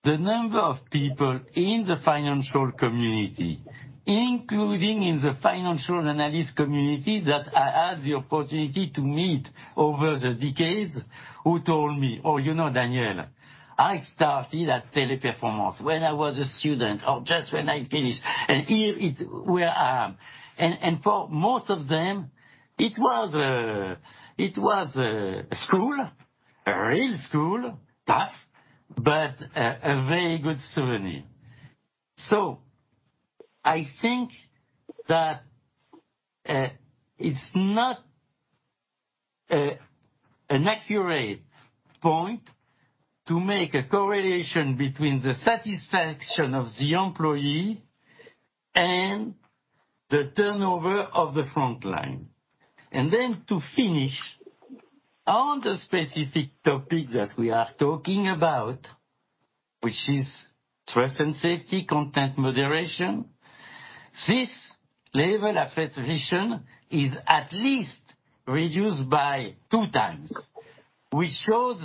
The number of people in the financial community, including in the financial analyst community, that I had the opportunity to meet over the decades, who told me, "Oh, you know, Daniel, I started at Teleperformance when I was a student or just when I finished, and here is where I am." For most of them, it was a school, a real school, tough, but a very good souvenir. I think that it's not an accurate point to make a correlation between the satisfaction of the employee and the turnover of the frontline. To finish on the specific topic that we are talking about, which is trust and safety, content moderation, this level of attrition is at least reduced by two times, which shows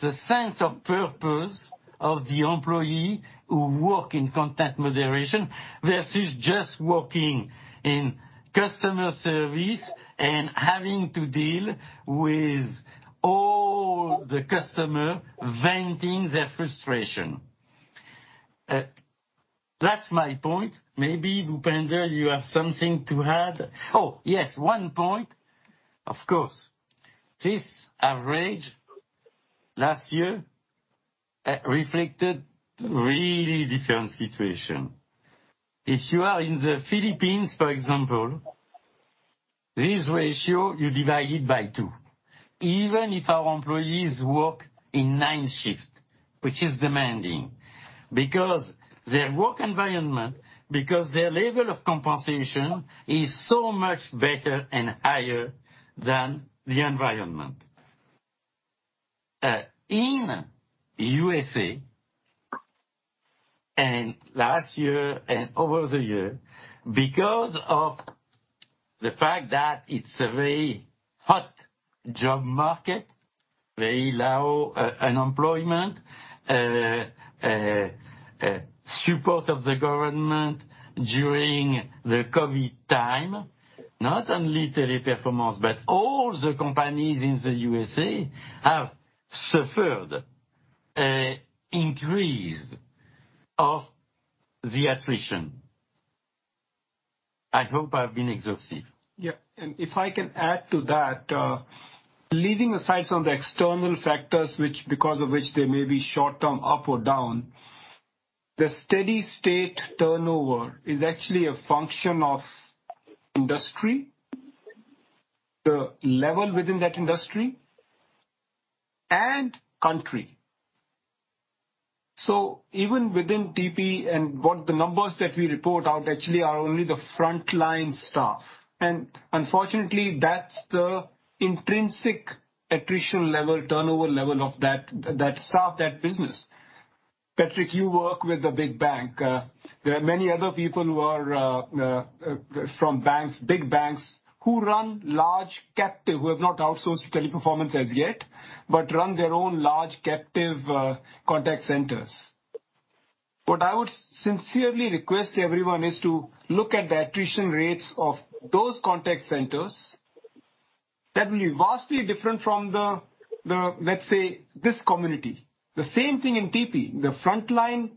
the sense of purpose of the employee who work in content moderation versus just working in customer service and having to deal with all the customer venting their frustration. That's my point. Maybe, Bhupender, you have something to add. Oh, yes, one point, of course. This average last year reflected really different situation. If you are in the Philippines, for example, this ratio you divide it by two, even if our employees work in nine shift, which is demanding because their work environment, because their level of compensation is so much better and higher than the environment in USA and last year and over the year, because of the fact that it's a very hot job market, very low unemployment support of the government during the COVID time, not only Teleperformance but all the companies in the USA have suffered a increase of the attrition. I hope I've been exhaustive. Yeah. If I can add to that, leaving aside some of the external factors because of which there may be short-term up or down, the steady state turnover is actually a function of industry, the level within that industry and country. Even within TP and what the numbers that we report out actually are only the frontline staff. Unfortunately, that's the intrinsic attrition level, turnover level of that staff, that business. Patrick, you work with a big bank. There are many other people who are from banks, big banks, who run large captive, who have not outsourced to Teleperformance as yet, but run their own large captive contact centers. What I would sincerely request everyone is to look at the attrition rates of those contact centers. That will be vastly different from the, let's say, this community. The same thing in TP. The frontline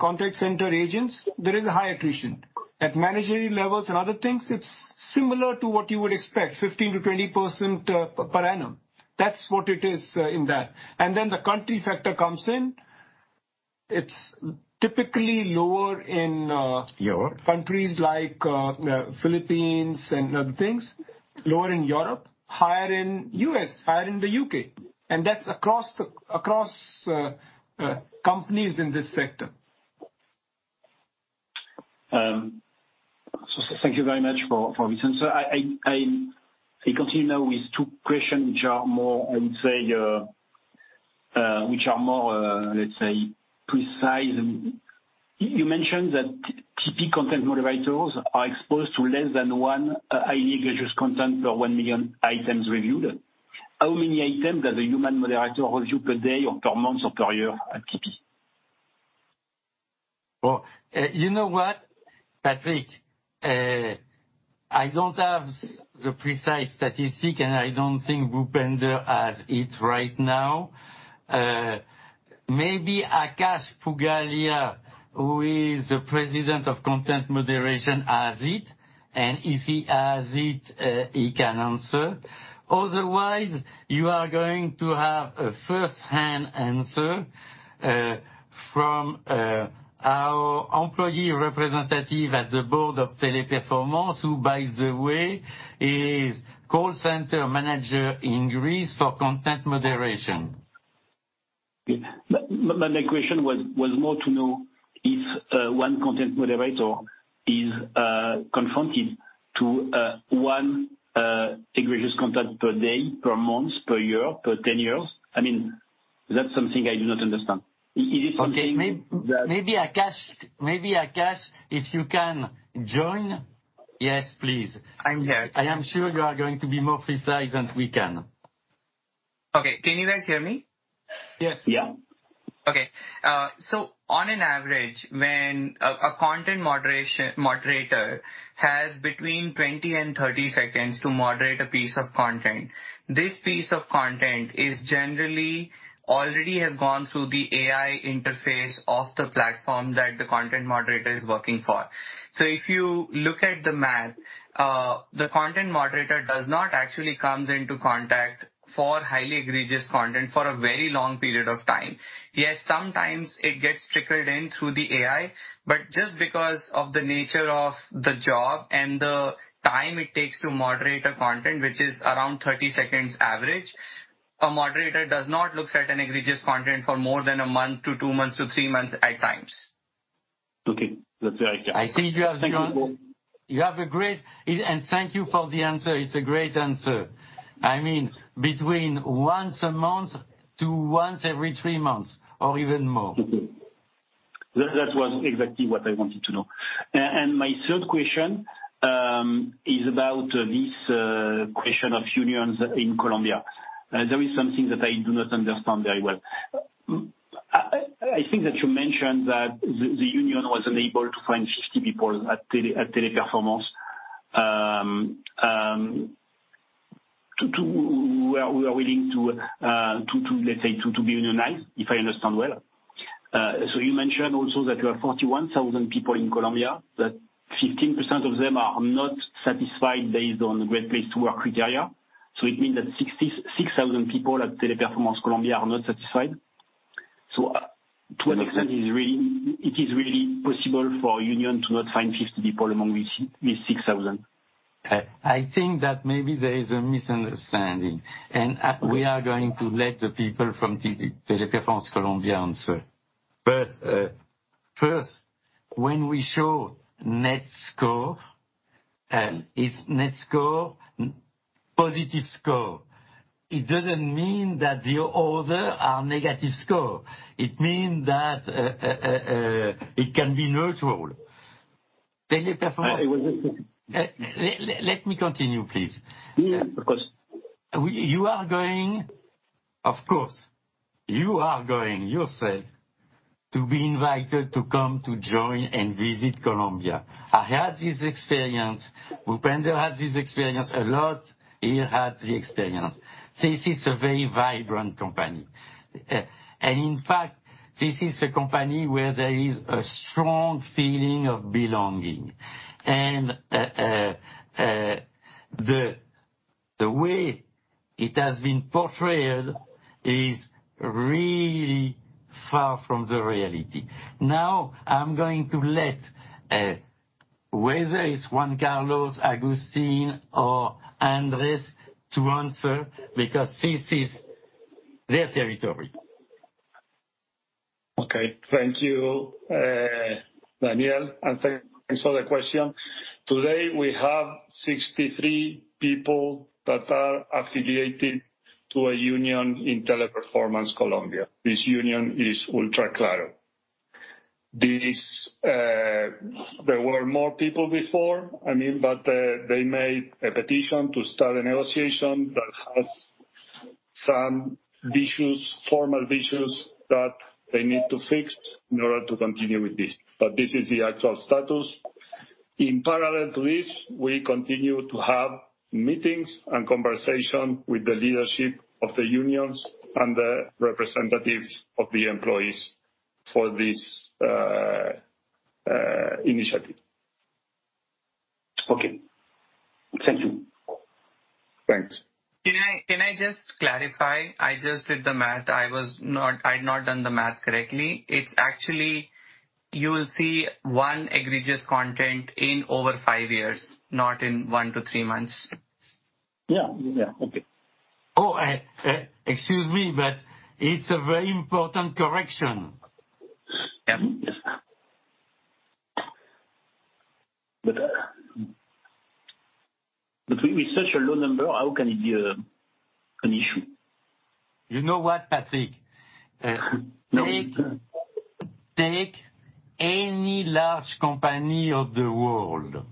contact center agents, there is a high attrition. At managerial levels and other things, it's similar to what you would expect, 15%-20% per annum. That's what it is in that. Then the country factor comes in. It's typically lower in. Europe countries like Philippines and other things. Lower in Europe, higher in U.S., higher in the U.K. That's across companies in this sector. Thank you very much for your answer. I continue now with two questions which are more, I would say, Which are more, let's say precise. You mentioned that TP content moderators are exposed to less than one highly egregious content per 1 million items reviewed. How many items does a human moderator review per day or per month or per year at TP? Well, you know what, Patrick? I don't have the precise statistic, and I don't think Bhupender has it right now. Maybe Akash Pugalia, who is the President of Content Moderation, has it. If he has it, he can answer. Otherwise, you are going to have a first-hand answer from our employee representative at the board of Teleperformance, who, by the way, is call center manager in Greece for content moderation. Yeah. My question was more to know if one content moderator is confronted to one egregious content per day, per month, per year, per 10 years. I mean, that's something I do not understand. Is it something that? Okay. Maybe Akash, if you can join. Yes, please. I'm here. I am sure you are going to be more precise than we can. Okay. Can you guys hear me? Yes. Yeah. Okay. On average, when a content moderator has between 20 and 30 seconds to moderate a piece of content, this piece of content is generally already has gone through the AI interface of the platform that the content moderator is working for. If you look at the math, the content moderator does not actually comes into contact for highly egregious content for a very long period of time. Yes, sometimes it gets trickled in through the AI, but just because of the nature of the job and the time it takes to moderate a content, which is around 30 seconds average, a moderator does not looks at an egregious content for more than a month to two months to three months at times. Okay. That's very clear. Thank you for the answer. It's a great answer. I mean, between once a month to once every three months or even more. Mm-hmm. That was exactly what I wanted to know. My third question is about this question of unions in Colombia. There is something that I do not understand very well. I think that you mentioned that the union was unable to find 50 people at Teleperformance who are willing to, let's say, be unionized, if I understand well. You mentioned also that you have 41,000 people in Colombia, that 15% of them are not satisfied based on the Great Place to Work criteria. It means that 6,000 people at Teleperformance Colombia are not satisfied. To an extent, is it really possible for the union to not find 50 people among these 6,000? I think that maybe there is a misunderstanding. Okay. We are going to let the people from Teleperformance Colombia answer. First, when we show net score, it's net score, positive score. It doesn't mean that the other are negative score. It mean that it can be neutral. I was just thinking. Let me continue, please. Yeah, of course. You are going yourself to be invited to come to join and visit Colombia. I had this experience. Bhupender had this experience. Alan, he had the experience. This is a very vibrant company. In fact, this is a company where there is a strong feeling of belonging. The way it has been portrayed is really far from the reality. Now, I'm going to let whether it's Juan Carlos, Agustin or Andres to answer because this is their territory. Okay. Thank you, Daniel, and thank you for the question. Today, we have 63 people that are affiliated to a union in Teleperformance Colombia. This union is UTRACLARO. There were more people before, I mean, but they made a petition to start a negotiation that has some issues, formal issues that they need to fix in order to continue with this. This is the actual status. In parallel to this, we continue to have meetings and conversation with the leadership of the unions and the representatives of the employees for this initiative. Okay. Thank you. Thanks. Can I just clarify? I just did the math. I'd not done the math correctly. It's actually you will see one egregious content in over five years, not in one to three months. Yeah. Yeah. Okay. Oh, excuse me, but it's a very important correction. Yeah. With such a low number, how can it be an issue? You know what, Patrick? No. Take any large company of the world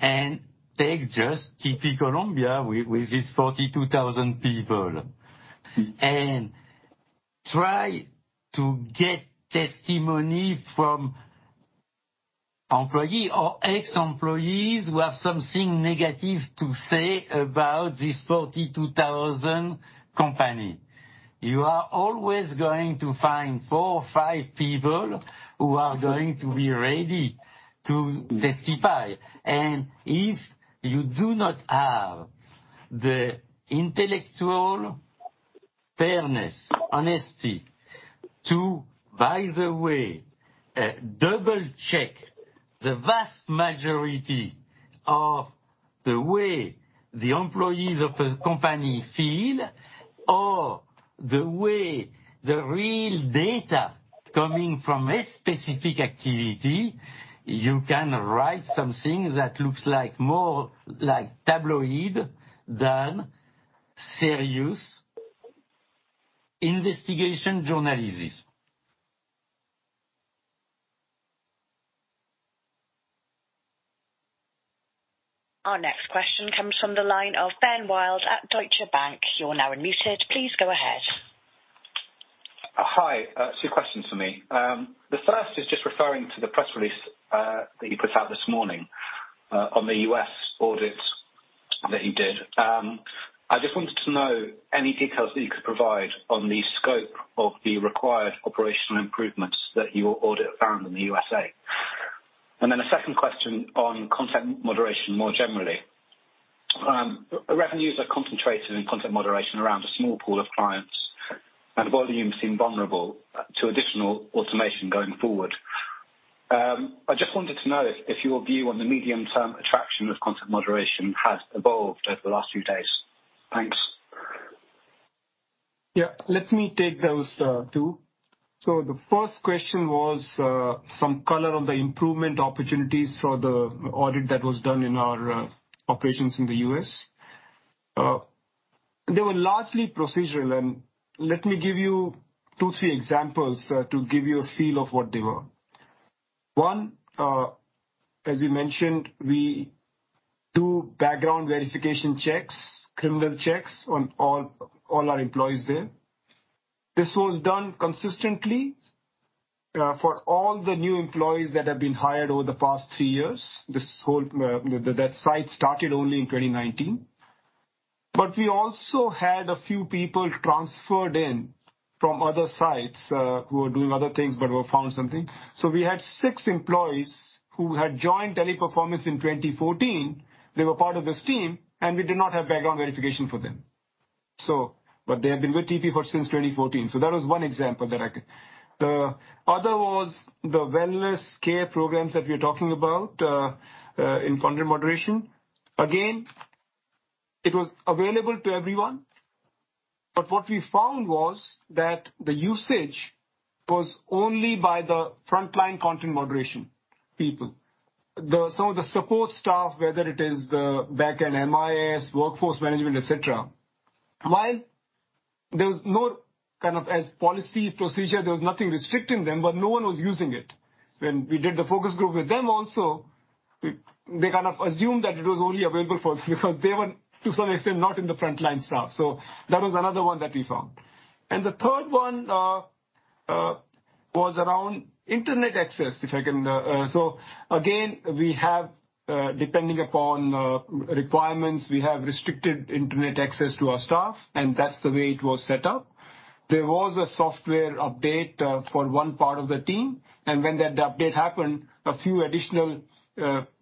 and take just Teleperformance Colombia with its 42,000 people, and try to get testimony from employee or ex-employees who have something negative to say about this 42,000 company. You are always going to find four or five people who are going to be ready to testify. If you do not have the intellectual fairness, honesty to, by the way, double-check the vast majority of the way the employees of a company feel or the way the real data coming from a specific activity, you can write something that looks like more like tabloid than serious investigation journalism. Our next question comes from the line of Benjamin Wild at Deutsche Bank. You're now unmuted. Please go ahead. Hi. Two questions for me. The first is just referring to the press release that you put out this morning on the U.S. audit that you did. I just wanted to know any details that you could provide on the scope of the required operational improvements that your audit found in the USA. A second question on content moderation more generally. Revenues are concentrated in content moderation around a small pool of clients, and volumes seem vulnerable to additional automation going forward. I just wanted to know if your view on the medium-term attraction of content moderation has evolved over the last few days. Thanks. Yeah, let me take those two. The first question was some color on the improvement opportunities for the audit that was done in our operations in the U.S. They were largely procedural, and let me give you two, three examples to give you a feel of what they were. One, as we mentioned, we do background verification checks, criminal checks on all our employees there. This was done consistently for all the new employees that have been hired over the past three years. This whole that site started only in 2019. But we also had a few people transferred in from other sites who were doing other things but were found something. We had six employees who had joined Teleperformance in 2014, they were part of this team, and we did not have background verification for them, so. They have been with TP for since 2014. That was one example. The other was the wellness care programs that we're talking about in content moderation. Again, it was available to everyone, but what we found was that the usage was only by the frontline content moderation people. Some of the support staff, whether it is the backend MIS, workforce management, et cetera, while there was no kind of as policy procedure, there was nothing restricting them, but no one was using it. When we did the focus group with them also, they kind of assumed that it was only available because they were, to some extent, not in the front line staff. That was another one that we found. The third one was around internet access. Again, we have, depending upon requirements, we have restricted internet access to our staff, and that's the way it was set up. There was a software update for one part of the team, and when that update happened, a few additional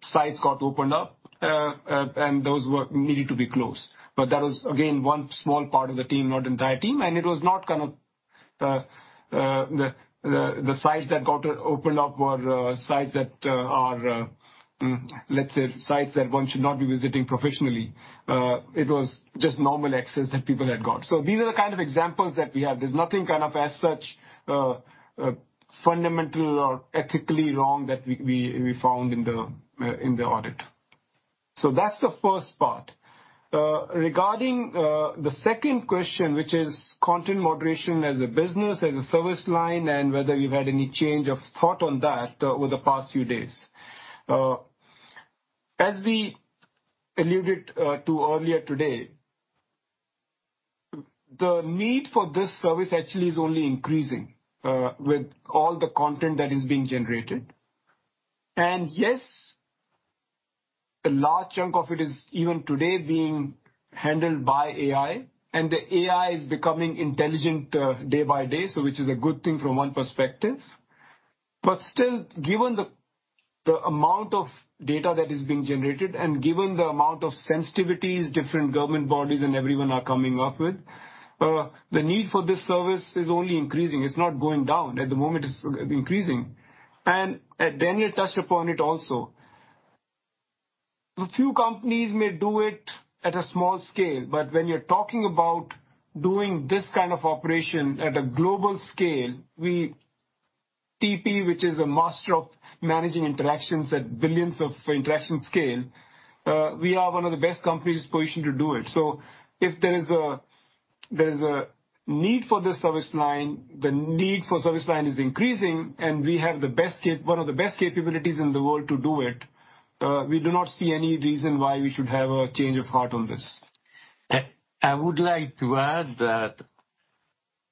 sites got opened up, and those were needed to be closed. That was again one small part of the team, not entire team. It was not kind of the sites that got opened up were sites that are, let's say sites that one should not be visiting professionally. It was just normal access that people had got. These are the kind of examples that we have. There's nothing kind of as such fundamental or ethically wrong that we found in the audit. That's the first part. Regarding the second question, which is content moderation as a business, as a service line, and whether you've had any change of thought on that over the past few days. As we alluded to earlier today, the need for this service actually is only increasing with all the content that is being generated. Yes, a large chunk of it is even today being handled by AI, and the AI is becoming intelligent day by day, so which is a good thing from one perspective. Still, given the amount of data that is being generated and given the amount of sensitivities different government bodies and everyone are coming up with, the need for this service is only increasing. It's not going down. At the moment, it's increasing. Daniel touched upon it also. A few companies may do it at a small scale, but when you're talking about doing this kind of operation at a global scale, TP, which is a master of managing interactions at billions of interaction scale, we are one of the best companies positioned to do it. If there is a need for this service line, the need for service line is increasing, and we have one of the best capabilities in the world to do it, we do not see any reason why we should have a change of heart on this. I would like to add that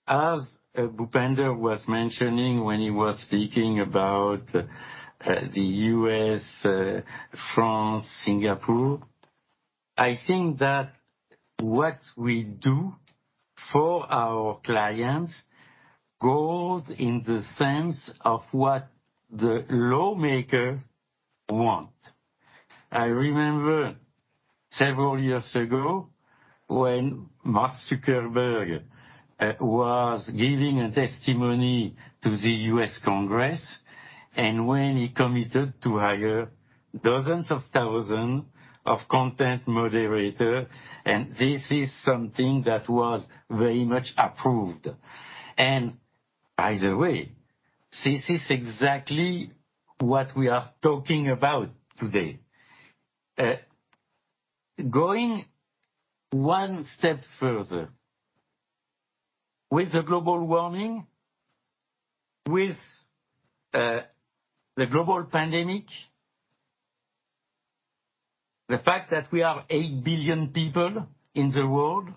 as Bhupender was mentioning when he was speaking about the U.S., France, Singapore, I think that what we do for our clients goes in the sense of what the lawmaker want. I remember several years ago when Mark Zuckerberg was giving a testimony to the U.S. Congress, and when he committed to hire dozens of thousand of content moderator, and this is something that was very much approved. By the way, this is exactly what we are talking about today. Going one step further, with the global warming, with the global pandemic, the fact that we are 8 billion people in the world,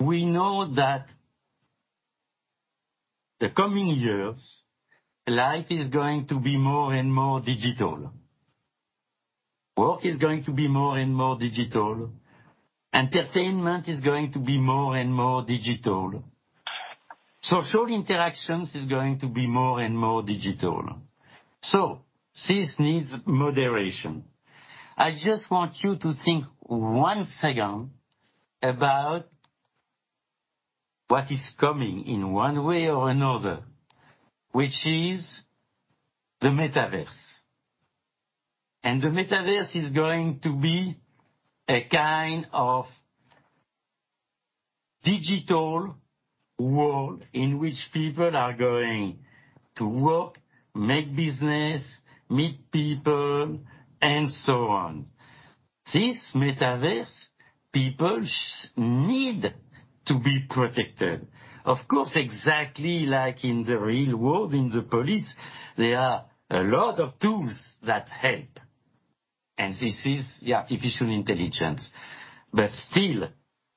we know that the coming years, life is going to be more and more digital. Work is going to be more and more digital. Entertainment is going to be more and more digital. Social interactions is going to be more and more digital. This needs moderation. I just want you to think one second about what is coming in one way or another, which is the Metaverse. The Metaverse is going to be a kind of digital world in which people are going to work, make business, meet people and so on. This Metaverse, people need to be protected. Of course, exactly like in the real world, in the police, there are a lot of tools that help, and this is the artificial intelligence. Still,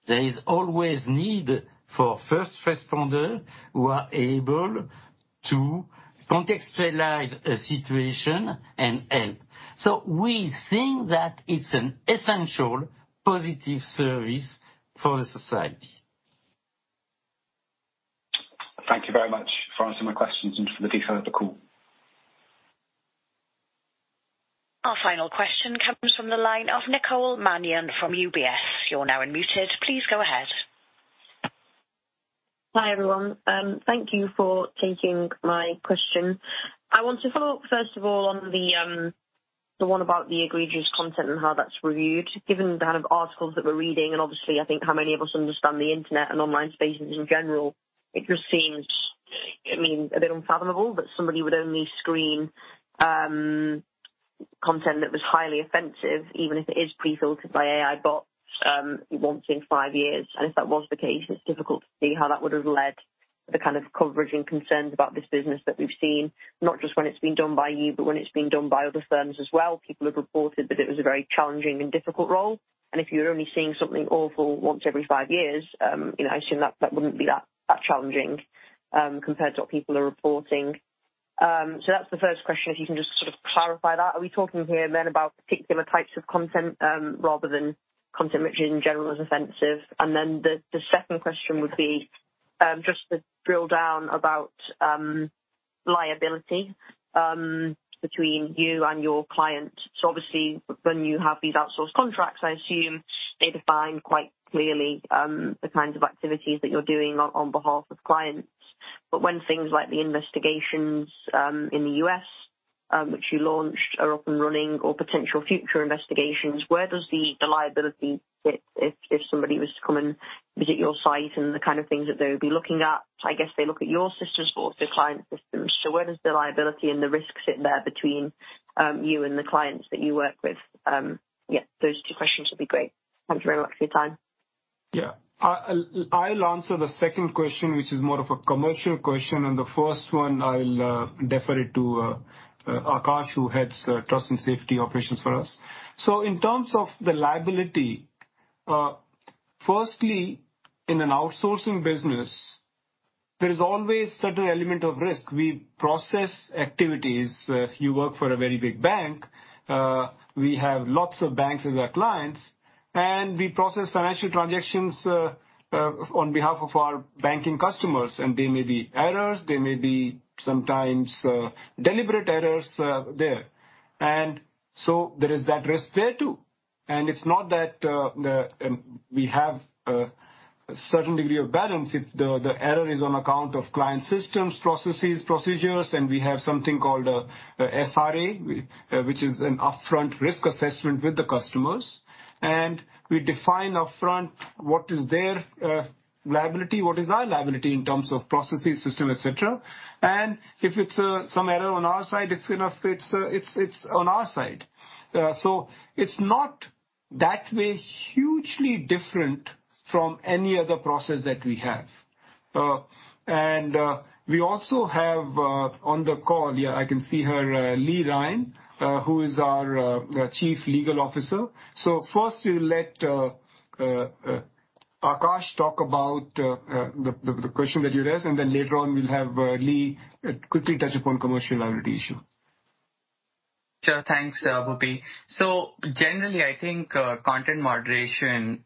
there is always need for first responder who are able to contextualize a situation and help. We think that it's an essential positive service for the society. Thank you very much for answering my questions and for the detail of the call. Our final question comes from the line of Nicole Manion from UBS. You're now unmuted. Please go ahead. Hi, everyone. Thank you for taking my question. I want to follow up, first of all, on the one about the egregious content and how that's reviewed. Given the kind of articles that we're reading and obviously, I think how many of us understand the internet and online spaces in general, it just seems, I mean, a bit unfathomable that somebody would only screen content that was highly offensive, even if it is pre-filtered by AI bots, once in five years. If that was the case, it's difficult to see how that would have led the kind of coverage and concerns about this business that we've seen, not just when it's been done by you, but when it's been done by other firms as well. People have reported that it was a very challenging and difficult role. If you're only seeing something awful once every five years, I assume that wouldn't be that challenging, compared to what people are reporting. That's the first question, if you can just sort of clarify that. Are we talking here about particular types of content, rather than content which in general is offensive? The second question would be, just to drill down about liability, between you and your clients. Obviously, when you have these outsourced contracts, I assume they define quite clearly, the kinds of activities that you're doing on behalf of clients. When things like the investigations in the U.S., which you launched are up and running or potential future investigations, where does the liability sit if somebody was to come and visit your site and the kind of things that they would be looking at? I guess they look at your systems or also client systems. Where does the liability and the risk sit there between you and the clients that you work with? Yeah, those two questions would be great. Thank you very much for your time. Yeah. I'll answer the second question, which is more of a commercial question, and the first one I'll defer it to Akash, who heads trust and safety operations for us. In terms of the liability, firstly, in an outsourcing business, there is always certain element of risk. We process activities. If you work for a very big bank, we have lots of banks as our clients, and we process financial transactions on behalf of our banking customers, and there may be errors, there may be sometimes deliberate errors there. There is that risk there too. It's not that we have a certain degree of balance. If the error is on account of client systems, processes, procedures, and we have something called SRA, which is an upfront risk assessment with the customers. We define upfront what is their liability, what is our liability in terms of processes, system, et cetera. If it's some error on our side, it's, you know, on our side. It's not that way hugely different from any other process that we have. We also have on the call, yeah, I can see her, Leigh Ryan, who is our chief legal officer. First we'll let Akash talk about the question that you raised, and then later on we'll have Leigh quickly touch upon commercial liability issue. Sure. Thanks, Bhupi. Generally, I think, content moderation,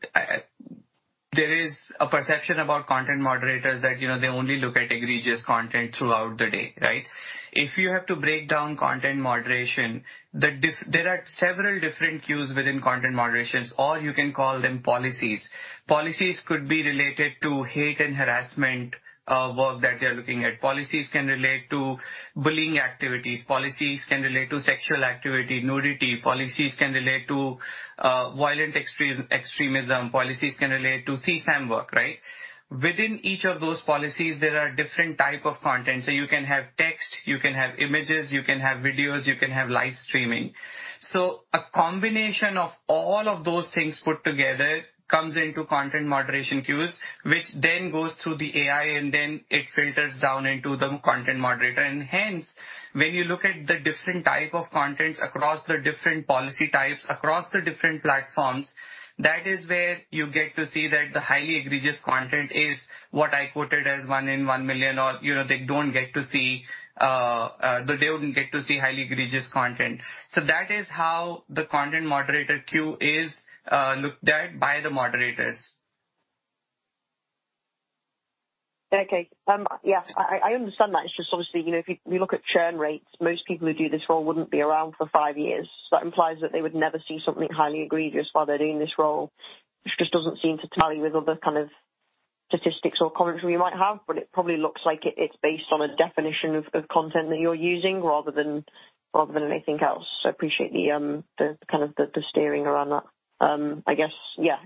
there is a perception about content moderators that, you know, they only look at egregious content throughout the day, right? If you have to break down content moderation, there are several different queues within content moderation, or you can call them policies. Policies could be related to hate and harassment, work that they are looking at. Policies can relate to bullying activities. Policies can relate to sexual activity, nudity. Policies can relate to, violent extremism. Policies can relate to CSAM work, right? Within each of those policies, there are different type of content. You can have text, you can have images, you can have videos, you can have live streaming. A combination of all of those things put together comes into content moderation queues, which then goes through the AI, and then it filters down into the content moderator. Hence, when you look at the different type of contents across the different policy types, across the different platforms, that is where you get to see that the highly egregious content is what I quoted as 1 in 1 million or, you know, they wouldn't get to see highly egregious content. That is how the content moderator queue is looked at by the moderators. Okay. Yeah, I understand that. It's just obviously, you know, if you look at churn rates, most people who do this role wouldn't be around for five years. That implies that they would never see something highly egregious while they're doing this role, which just doesn't seem to tally with other kind of statistics or commentary you might have. It probably looks like it's based on a definition of content that you're using rather than anything else. I appreciate the kind of steering around that. I guess, yeah,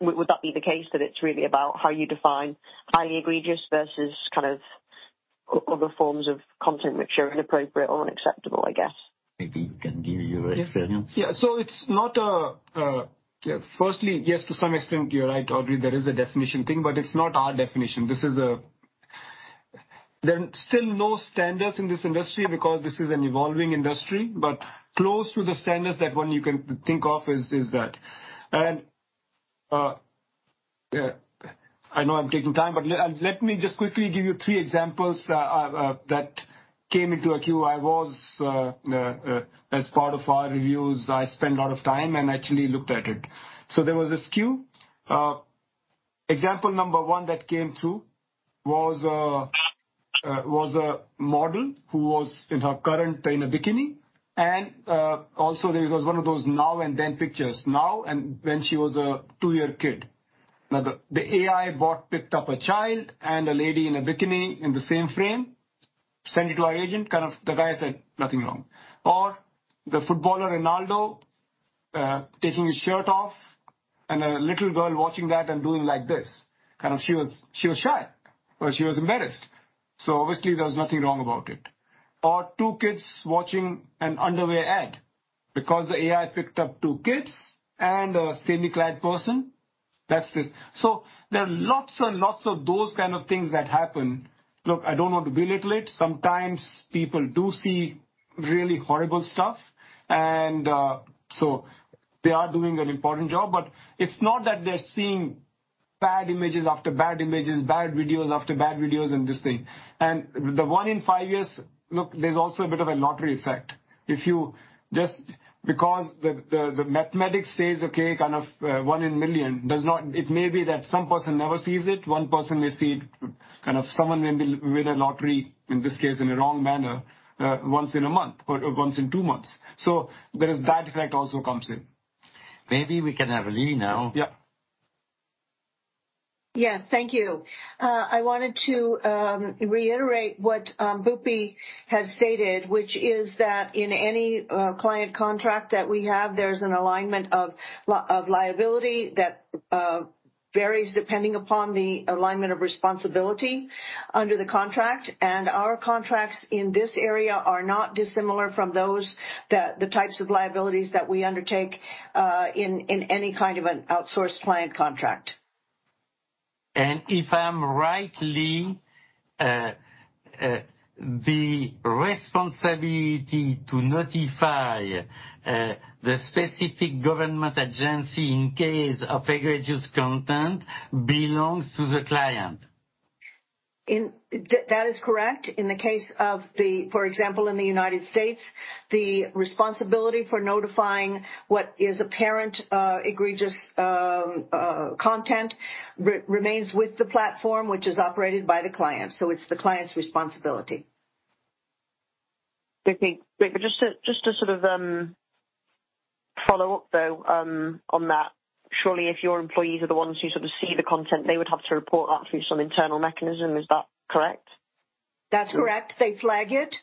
would that be the case that it's really about how you define highly egregious versus kind of other forms of content which are inappropriate or unacceptable, I guess? Maybe you can give your experience. It's not firstly, yes, to some extent you're right, Audrey. There is a definition thing, but it's not our definition. There are still no standards in this industry because this is an evolving industry, but close to the standards that one you can think of is that. I know I'm taking time, but let me just quickly give you three examples that came into a queue. As part of our reviews, I spent a lot of time and actually looked at it. There was this queue. Example number one that came through was a model who was in her current in a bikini. Also there was one of those now and then pictures, now and when she was a two-year kid. Now, the AI bot picked up a child and a lady in a bikini in the same frame, send it to our agent, kind of the guy said, "Nothing wrong." The footballer Ronaldo taking his shirt off and a little girl watching that and doing like this. Kind of she was shy, or she was embarrassed. Obviously there was nothing wrong about it. Two kids watching an underwear ad because the AI picked up two kids and a semi-clad person. That's this. There are lots and lots of those kind of things that happen. Look, I don't want to belittle it. Sometimes people do see really horrible stuff, and so they are doing an important job. It's not that they're seeing bad images after bad images, bad videos after bad videos and this thing. The one in five years, look, there's also a bit of a lottery effect. If you just because the mathematics says, okay, kind of one in million, does not. It may be that some person never sees it. One person may see it, kind of someone may win a lottery, in this case in a wrong manner, once in a month or once in two months. There is that effect also comes in. Maybe we can have Leigh now. Yeah. Yes. Thank you. I wanted to reiterate what Bhupi has stated, which is that in any client contract that we have, there's an alignment of liability that varies depending upon the alignment of responsibility under the contract. Our contracts in this area are not dissimilar from those that the types of liabilities that we undertake in any kind of an outsourced client contract. If I'm right, Leigh, the responsibility to notify the specific government agency in case of egregious content belongs to the client. That is correct. In the case of the, for example, in the United States, the responsibility for notifying what is apparent, egregious content remains with the platform which is operated by the client. It's the client's responsibility. Victoria, just to sort of follow up though on that. Surely if your employees are the ones who sort of see the content, they would have to report that through some internal mechanism. Is that correct? That's correct. They flag it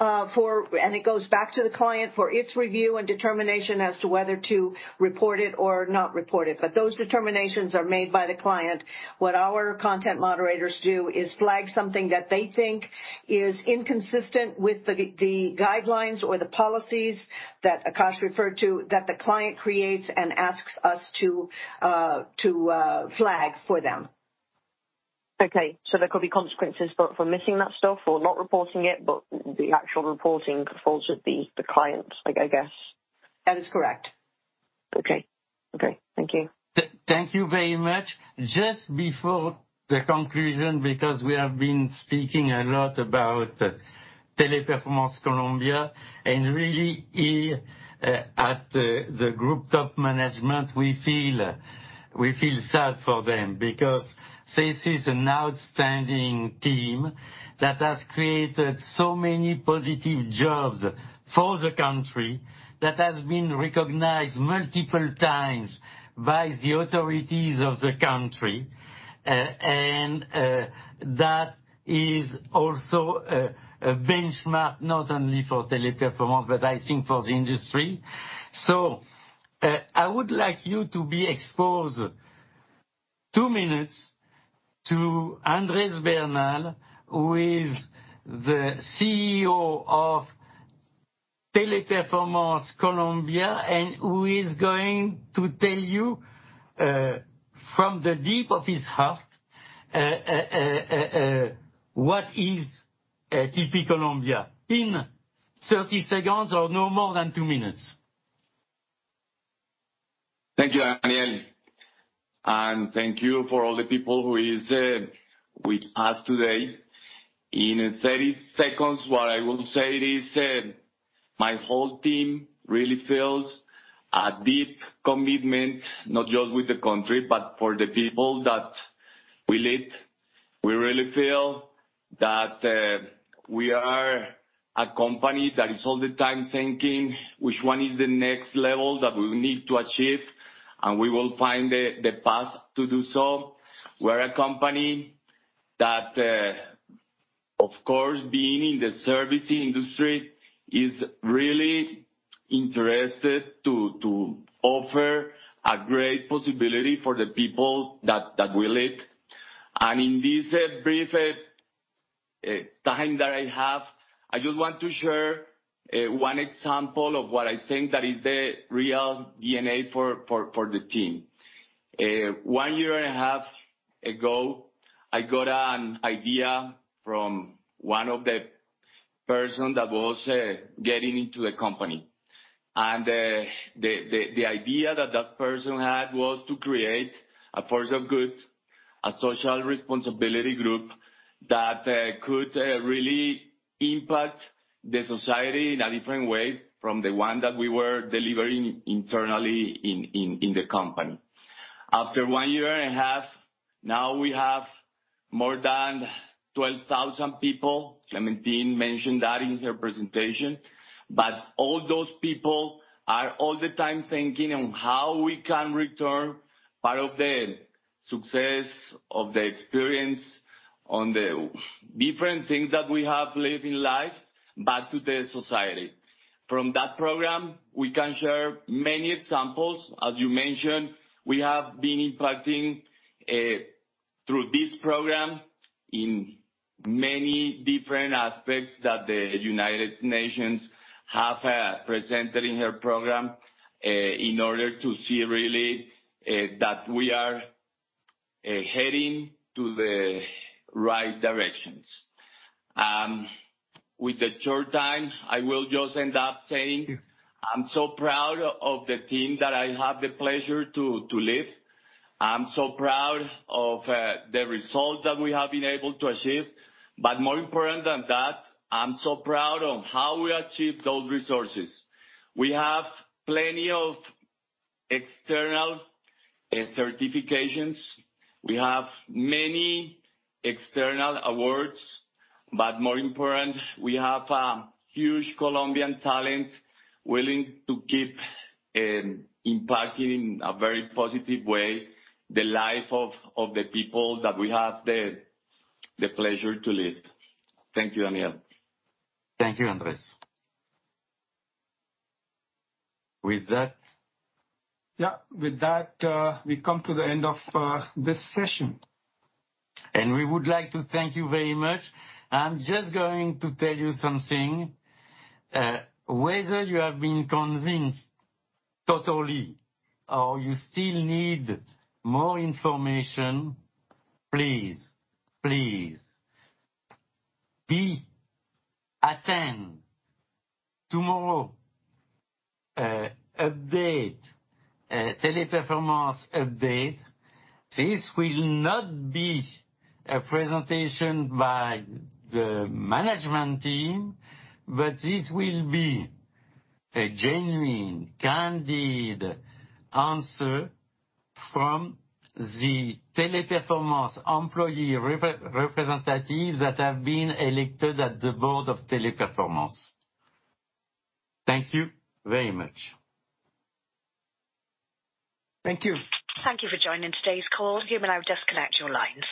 and it goes back to the client for its review and determination as to whether to report it or not report it. Those determinations are made by the client. What our content moderators do is flag something that they think is inconsistent with the guidelines or the policies that Akash referred to, that the client creates and asks us to flag for them. Okay. There could be consequences for missing that stuff or not reporting it, but the actual reporting falls with the client, like, I guess. That is correct. Okay. Okay. Thank you. Thank you very much. Just before the conclusion, because we have been speaking a lot about Teleperformance Colombia, and really here at the group top management, we feel sad for them because this is an outstanding team that has created so many positive jobs for the country, that has been recognized multiple times by the authorities of the country. That is also a benchmark, not only for Teleperformance, but I think for the industry. I would like you to be exposed two minutes to Andres Bernal, who is the CEO of Teleperformance Colombia, and who is going to tell you from the depths of his heart what is Teleperformance Colombia in 30 seconds or no more than two minutes. Thank you, Daniel. Thank you for all the people who is with us today. In 30 seconds, what I will say is my whole team really feels a deep commitment, not just with the country, but for the people that we lead. We really feel that we are a company that is all the time thinking which one is the next level that we need to achieve, and we will find the path to do so. We're a company that of course, being in the service industry, is really interested to offer a great possibility for the people that we lead. In this brief time that I have, I just want to share one example of what I think that is the real DNA for the team. 1 year and a half ago, I got an idea from one of the person that was getting into the company. The idea that person had was to create a force of good, a social responsibility group that could really impact the society in a different way from the one that we were delivering internally in the company. After one year and a half, now we have more than 12,000 people. Clémentine mentioned that in her presentation. All those people are all the time thinking on how we can return part of the success of the experience on the different things that we have lived in life, back to the society. From that program, we can share many examples. As you mentioned, we have been impacting through this program in many different aspects that the United Nations have presented in their program in order to see really that we are heading to the right directions. With the short time, I will just end up saying I'm so proud of the team that I have the pleasure to lead. I'm so proud of the result that we have been able to achieve. But more important than that, I'm so proud of how we achieved those results. We have plenty of external certifications. We have many external awards, but more important, we have a huge Colombian talent willing to keep impacting in a very positive way the life of the people that we have the pleasure to lead. Thank you, Daniel. Thank you, Andres. With that. Yeah. With that, we come to the end of this session. We would like to thank you very much. I'm just going to tell you something. Whether you have been convinced totally or you still need more information, please, attend tomorrow, Teleperformance update. This will not be a presentation by the management team, but this will be a genuine, candid answer from the Teleperformance employee representatives that have been elected at the board of Teleperformance. Thank you very much. Thank you. Thank you for joining today's call. You may now disconnect your lines.